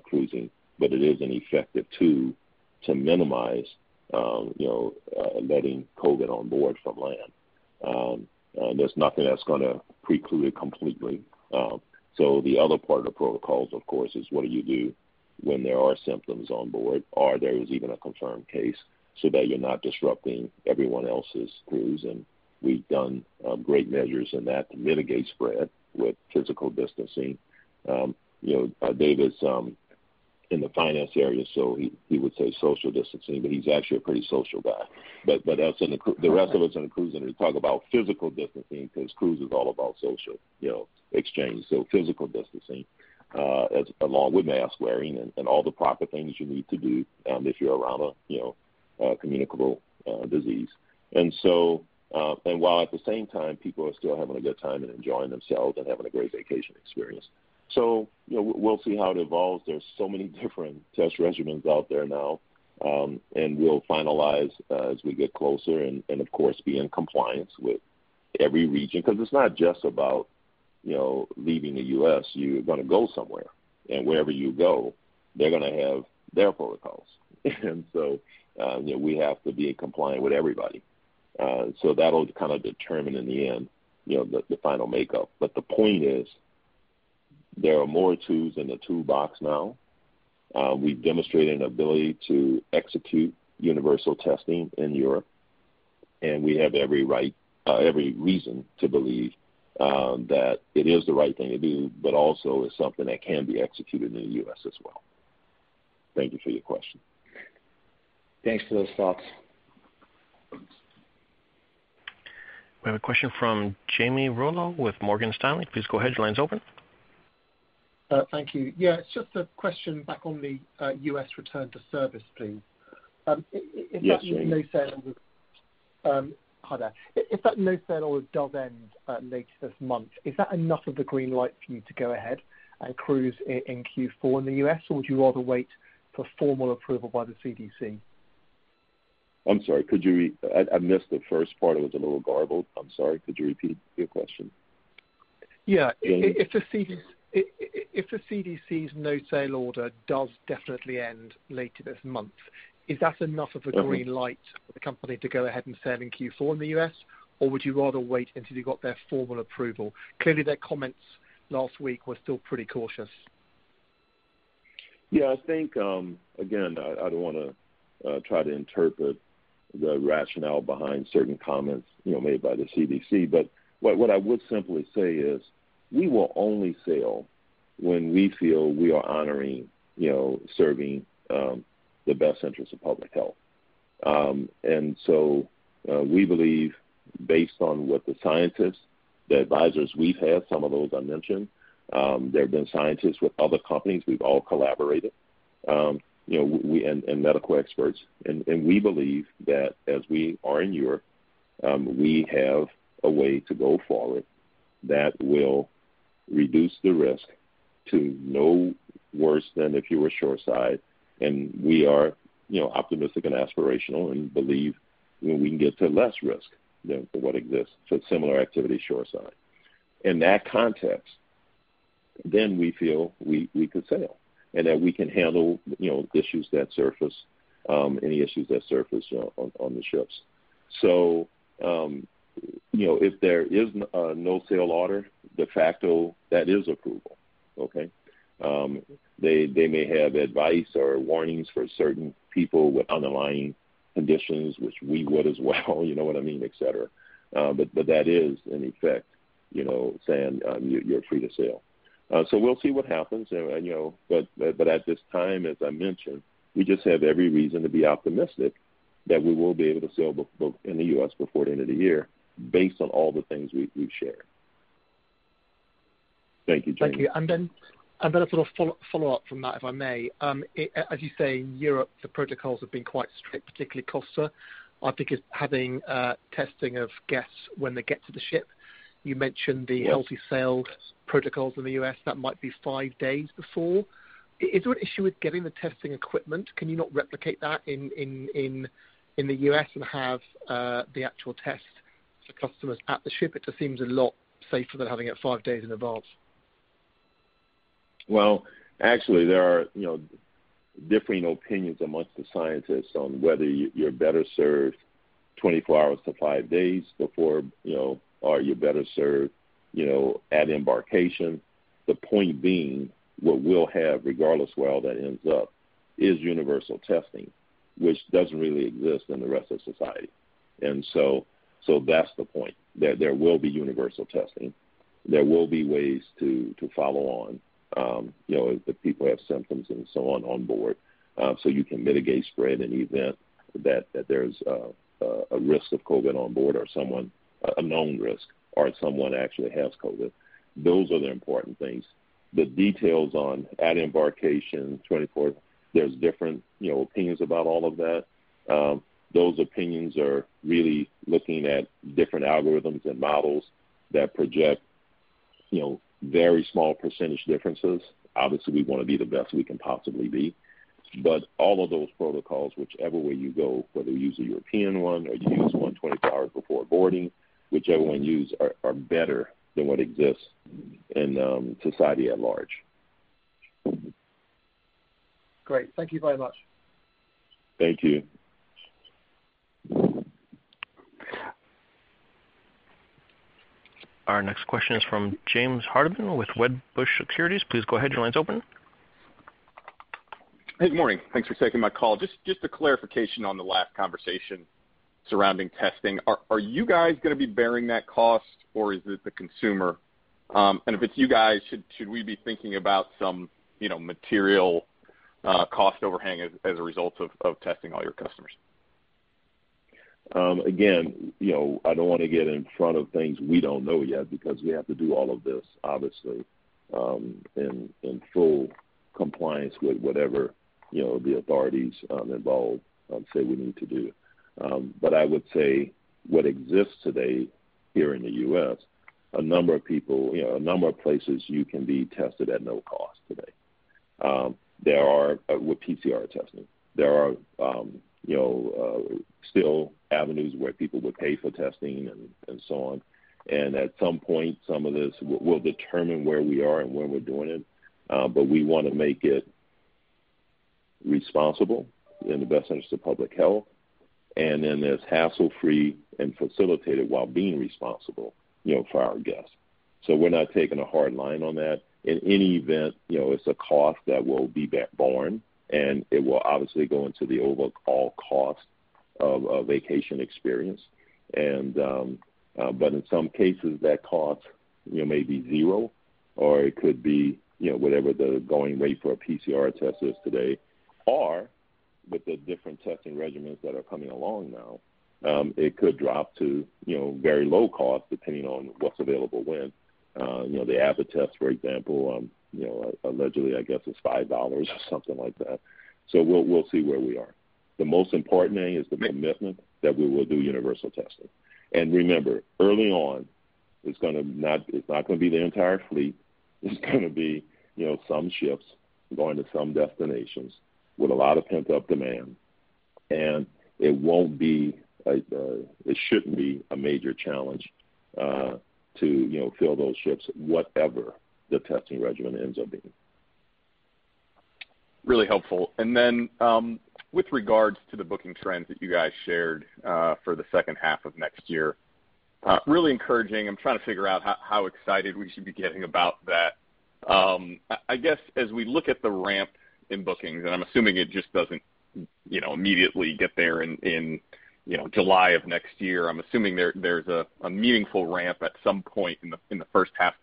cruising. It is an effective tool to minimize letting COVID on board from land. There's nothing that's going to preclude it completely. The other part of the protocols, of course, is what do you do when there are symptoms on board, or there is even a confirmed case, so that you're not disrupting everyone else's cruise. We've done great measures in that to mitigate spread with physical distancing. David's in the finance area, so he would say social distancing, but he's actually a pretty social guy. As the rest of us in the cruise industry talk about physical distancing because cruise is all about social exchange. Physical distancing along with mask wearing and all the proper things you need to do if you're around a communicable disease. While at the same time, people are still having a good time and enjoying themselves and having a great vacation experience. We'll see how it evolves. There's so many different test regimens out there now. We'll finalize as we get closer and of course, be in compliance with every region because it's not just about leaving the U.S. You're going to go somewhere, and wherever you go, they're going to have their protocols. We have to be compliant with everybody. That'll determine in the end the final makeup. The point is, there are more tools in the toolbox now. We've demonstrated an ability to execute universal testing in Europe, and we have every reason to believe that it is the right thing to do, but also is something that can be executed in the U.S. as well. Thank you for your question. Thanks for those thoughts. We have a question from Jamie Rollo with Morgan Stanley. Please go ahead. Your line's open. Thank you. Yeah, it's just a question back on the U.S. return to service, please. Yes, Jamie. If that no-sail order does end later this month, is that enough of the green light for you to go ahead and cruise in Q4 in the U.S., or would you rather wait for formal approval by the CDC? I'm sorry. I missed the first part. It was a little garbled. I'm sorry. Could you repeat your question? Yeah. If the CDC's no-sail order does definitely end later this month, is that enough of a green light for the company to go ahead and sail in Q4 in the U.S., or would you rather wait until you've got their formal approval? Clearly, their comments last week were still pretty cautious. Yeah. I think, again, I don't want to try to interpret the rationale behind certain comments made by the CDC. What I would simply say is we will only sail when we feel we are honoring serving the best interest of public health. We believe based on what the scientists, the advisors we've had, some of those I mentioned, and medical experts. There have been scientists with other companies. We've all collaborated. We believe that as we are in Europe, we have a way to go forward that will reduce the risk to no worse than if you were shoreside. We are optimistic and aspirational and believe we can get to less risk than what exists for similar activity shoreside. In that context, we feel we could sail and that we can handle issues that surface, any issues that surface on the ships. If there is a no-sail order, de facto, that is approval. Okay. They may have advice or warnings for certain people with underlying conditions, which we would as well. You know what I mean, et cetera. That is in effect saying, "You're free to sail." We'll see what happens. At this time, as I mentioned, we just have every reason to be optimistic that we will be able to sail in the U.S. before the end of the year based on all the things we've shared. Thank you, Jamie. Thank you. A sort of follow-up from that, if I may. As you say, in Europe, the protocols have been quite strict, particularly Costa. I think it's having testing of guests when they get to the ship. You mentioned the healthy sail protocols in the U.S. That might be five days before. Is there an issue with getting the testing equipment? Can you not replicate that in the U.S. and have the actual test for customers at the ship? It just seems a lot safer than having it five days in advance. Well, actually, there are differing opinions amongst the scientists on whether you're better served 24 hours to five days before, or are you better served at embarkation. The point being, what we'll have, regardless where all that ends up, is universal testing, which doesn't really exist in the rest of society. That's the point. There will be universal testing. There will be ways to follow on if people have symptoms and so on onboard. You can mitigate spread in the event that there's a risk of COVID on board, a known risk, or someone actually has COVID. Those are the important things. The details on at embarkation, 24, there's different opinions about all of that. Those opinions are really looking at different algorithms and models that project very small % differences. Obviously, we want to be the best we can possibly be. All of those protocols, whichever way you go, whether you use a European one or you use one 24 hours before boarding, whichever one you use are better than what exists in society at large. Great. Thank you very much. Thank you. Our next question is from James Hardiman with Wedbush Securities. Please go ahead. Your line's open. Good morning. Thanks for taking my call. Just a clarification on the last conversation surrounding testing. Are you guys going to be bearing that cost, or is it the consumer? If it's you guys, should we be thinking about some material cost overhang as a result of testing all your customers? Again, I don't want to get in front of things we don't know yet because we have to do all of this, obviously, in full compliance with whatever the authorities involved say we need to do. I would say what exists today here in the U.S., a number of places you can be tested at no cost today with PCR testing. There are still avenues where people would pay for testing and so on. At some point, some of this, we'll determine where we are and when we're doing it. We want to make it responsible, in the best interest of public health, and then as hassle-free and facilitated while being responsible for our guests. We're not taking a hard line on that. In any event, it's a cost that will be borne, and it will obviously go into the overall cost of a vacation experience. In some cases, that cost may be zero, or it could be whatever the going rate for a PCR test is today, or with the different testing regimens that are coming along now, it could drop to very low cost, depending on what's available when. The Abbott test, for example, allegedly, I guess, is $5 or something like that. We'll see where we are. The most important thing is the commitment that we will do universal testing. Remember, early on, it's not going to be the entire fleet. It's going to be some ships going to some destinations with a lot of pent-up demand. It shouldn't be a major challenge to fill those ships, whatever the testing regimen ends up being. Really helpful. With regards to the booking trends that you guys shared for the second half of next year, really encouraging. I'm trying to figure out how excited we should be getting about that. I guess as we look at the ramp in bookings, and I'm assuming it just doesn't immediately get there in July of next year. I'm assuming there's a meaningful ramp at some point in the first half.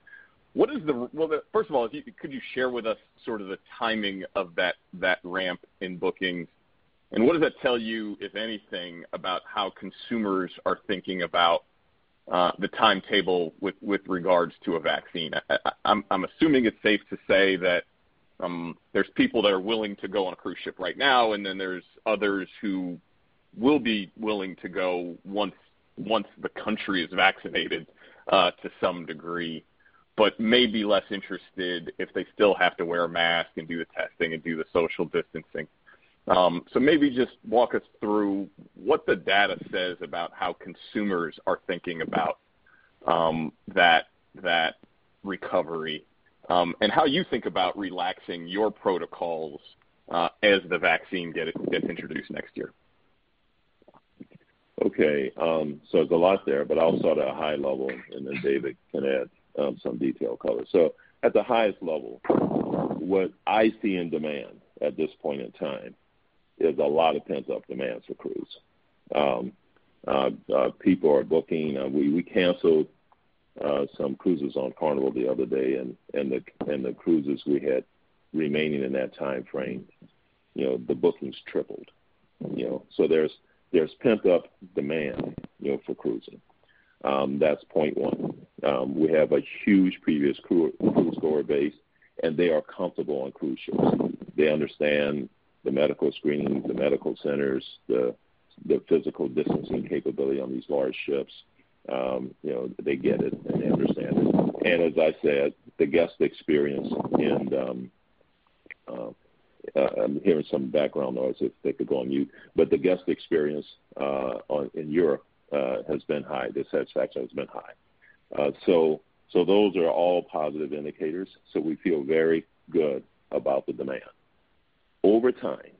First of all, could you share with us sort of the timing of that ramp in bookings, and what does that tell you, if anything, about how consumers are thinking about the timetable with regards to a vaccine? I'm assuming it's safe to say that there's people that are willing to go on a cruise ship right now, there's others who will be willing to go once the country is vaccinated to some degree, but may be less interested if they still have to wear a mask and do the testing and do the social distancing. Maybe just walk us through what the data says about how consumers are thinking about that recovery and how you think about relaxing your protocols as the vaccine gets introduced next year. Okay. There's a lot there, but I'll start at a high level, and then David can add some detail color. At the highest level, what I see in demand at this point in time. There's a lot of pent-up demand for cruise. People are booking. We canceled some cruises on Carnival the other day, and the cruises we had remaining in that timeframe, the bookings tripled. There's pent-up demand for cruising. That's point one. We have a huge previous cruise customer base, and they are comfortable on cruise ships. They understand the medical screening, the medical centers, the physical distancing capability on these large ships. They get it and they understand it. As I said, the guest experience. I'm hearing some background noise. If they could go on mute. The guest experience in Europe has been high. The satisfaction has been high. Those are all positive indicators, so we feel very good about the demand. Over time,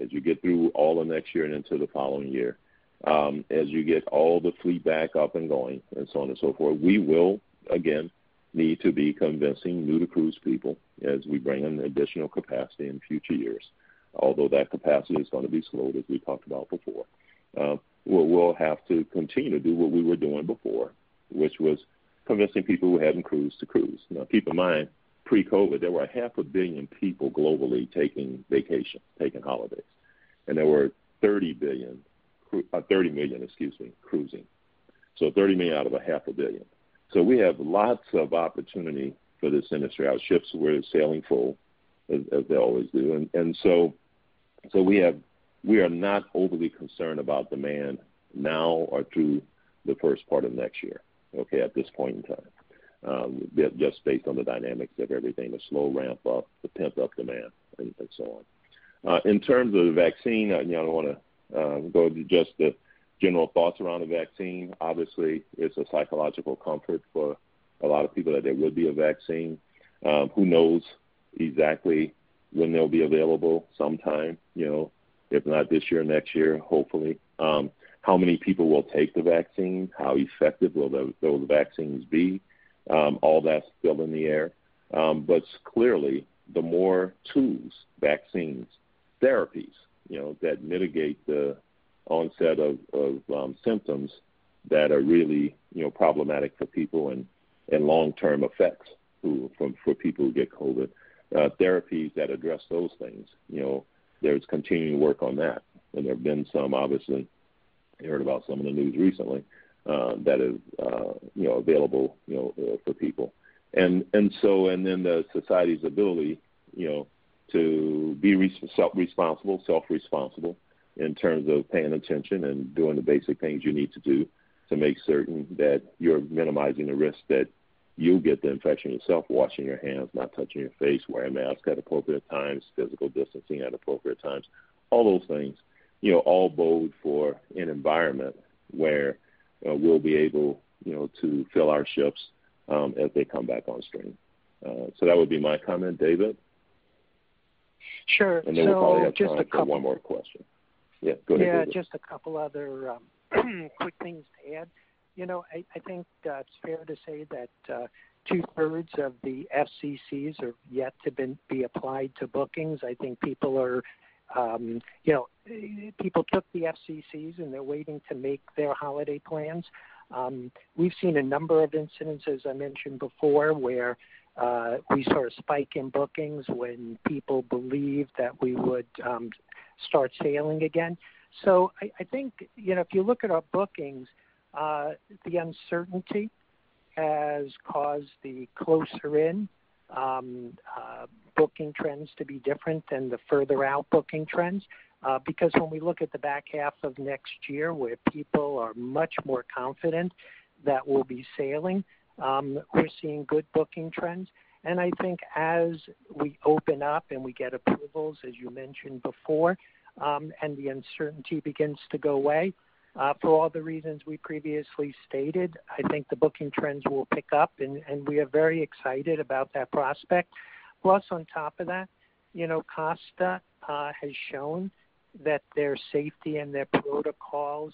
as we get through all of next year and into the following year, as you get all the fleet back up and going, and so on and so forth, we will again need to be convincing new-to-cruise people as we bring on additional capacity in future years. Although that capacity is going to be slowed, as we talked about before. We'll have to continue to do what we were doing before, which was convincing people who hadn't cruised to cruise. Now keep in mind, pre-COVID, there were half a billion people globally taking vacation, taking holidays, and there were 30 million cruising. 30 million out of a half a billion. We have lots of opportunity for this industry. Our ships were sailing full, as they always do. We are not overly concerned about demand now or through the first part of next year, okay, at this point in time. Just based on the dynamics of everything, the slow ramp-up, the pent-up demand, and so on. In terms of the vaccine, I want to go through just the general thoughts around the vaccine. Obviously, it's a psychological comfort for a lot of people that there will be a vaccine. Who knows exactly when they'll be available? They will be available sometime, if not this year, next year, hopefully. How many people will take the vaccine? How effective will those vaccines be? All that's still in the air. Clearly, the more tools, vaccines, therapies that mitigate the onset of symptoms that are really problematic for people and long-term effects for people who get COVID, therapies that address those things, there's continuing work on that, and there have been some, obviously, you heard about some in the news recently, that is available for people. Then the society's ability to be self-responsible in terms of paying attention and doing the basic things you need to do to make certain that you're minimizing the risk that you'll get the infection yourself, washing your hands, not touching your face, wearing masks at appropriate times, physical distancing at appropriate times. All those things, all bode for an environment where we'll be able to fill our ships as they come back on stream. That would be my comment. David? Sure. We probably have time for one more question. Yeah, go ahead, David. Yeah, just a couple other quick things to add. I think it's fair to say that two-thirds of the FCCs are yet to be applied to bookings. I think people took the FCCs, and they're waiting to make their holiday plans. We've seen a number of incidences, I mentioned before, where we saw a spike in bookings when people believed that we would start sailing again. I think if you look at our bookings, the uncertainty has caused the closer-in booking trends to be different than the further-out booking trends. When we look at the back half of next year, where people are much more confident that we'll be sailing, we're seeing good booking trends. I think as we open up and we get approvals, as you mentioned before, and the uncertainty begins to go away, for all the reasons we previously stated, I think the booking trends will pick up, and we are very excited about that prospect. Plus, on top of that, Costa has shown that their safety and their protocols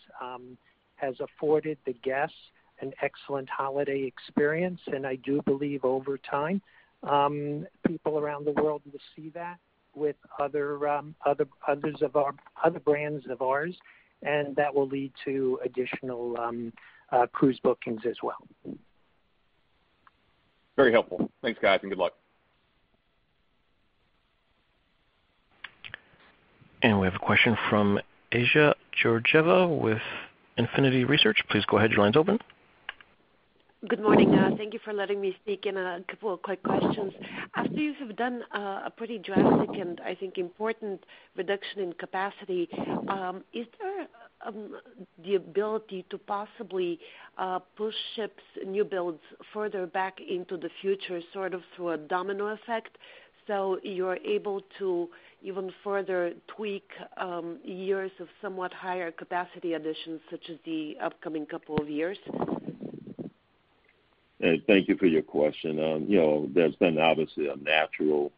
has afforded the guests an excellent holiday experience, and I do believe over time, people around the world will see that with other brands of ours, and that will lead to additional cruise bookings as well. Very helpful. Thanks, guys, and good luck. We have a question from Assia Georgieva with Infinity Research. Please go ahead, your line's open. Good morning. Thank you for letting me speak, and a couple of quick questions. After you have done a pretty drastic and, I think, important reduction in capacity, is there the ability to possibly push ships, new builds, further back into the future, sort of through a domino effect, so you're able to even further tweak years of somewhat higher capacity additions such as the upcoming couple of years? Assia, thank you for your question. There's been, obviously, a natural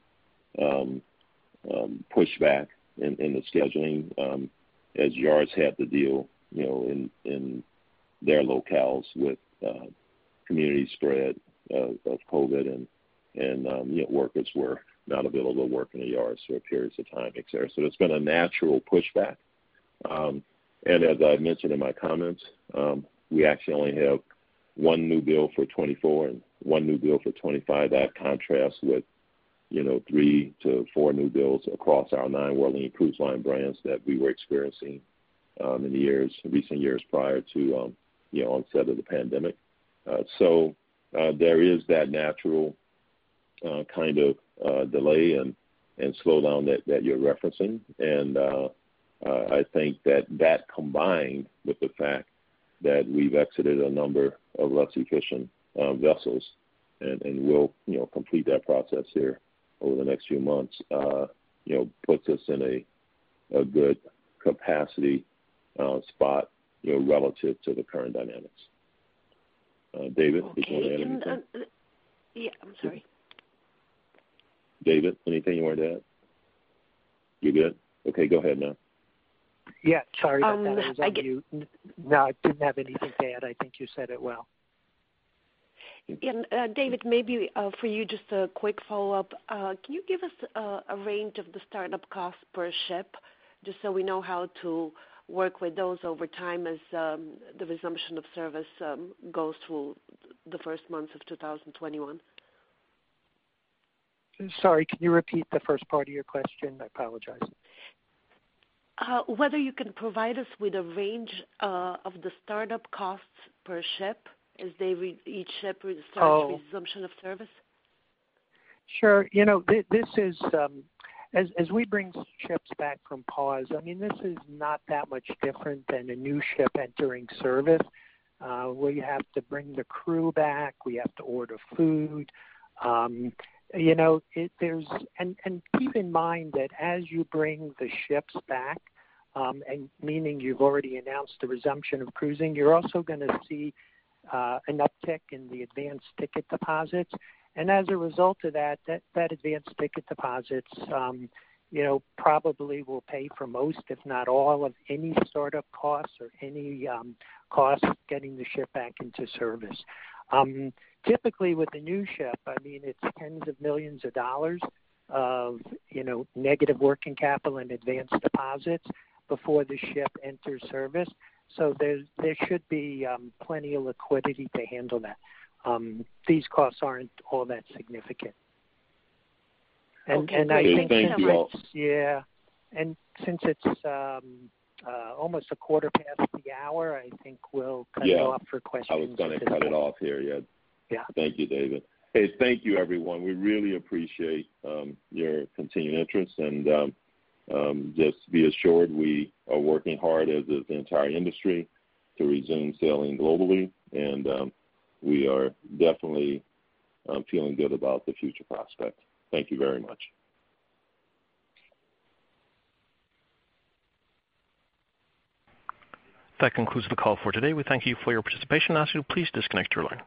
pushback in the scheduling as yards had to deal in their locales with community spread of COVID-19 and workers were not available to work in the yards for periods of time, et cetera. It's been a natural pushback. As I mentioned in my comments, we actually only have one new build for 2024 and one new build for 2025. That contrasts with three to four new builds across our nine Carnival Corporation cruise line brands that we were experiencing in recent years prior to the onset of the pandemic. There is that natural kind of delay and slowdown that you're referencing. I think that combined with the fact that we've exited a number of legacy cruise ship vessels and we'll complete that process here over the next few months, puts us in a good capacity spot relative to the current dynamics. David, did you want to add anything? Yeah. I'm sorry. David, anything you wanted to add? You good? Okay, go ahead, then. Yeah. Sorry about that. I was on mute. No, I didn't have anything to add. I think you said it well. Yeah. David, maybe for you, just a quick follow-up. Can you give us a range of the startup costs per ship, just so we know how to work with those over time as the resumption of service goes through the first months of 2021? Sorry, can you repeat the first part of your question? I apologize. Whether you can provide us with a range of the startup costs per ship as each ship restarts? Oh Resumption of service? Sure. As we bring ships back from pause, this is not that much different than a new ship entering service. We have to bring the crew back. We have to order food. Keep in mind that as you bring the ships back, meaning you've already announced the resumption of cruising, you're also going to see an uptick in the advanced ticket deposits. As a result of that advanced ticket deposits probably will pay for most, if not all, of any startup costs or any costs getting the ship back into service. Typically, with a new ship, it's tens of millions of dollars of negative working capital and advanced deposits before the ship enters service. There should be plenty of liquidity to handle that. These costs aren't all that significant. Okay. Thank you all. Yeah. Since it's almost a quarter past the hour, I think we'll go up for questions. Yeah. I was going to cut it off here, yeah. Yeah. Thank you, David. Hey, thank you everyone. We really appreciate your continued interest. Just be assured we are working hard as is the entire industry to resume sailing globally. We are definitely feeling good about the future prospect. Thank you very much. That concludes the call for today. We thank you for your participation. I'll ask you to please disconnect your line.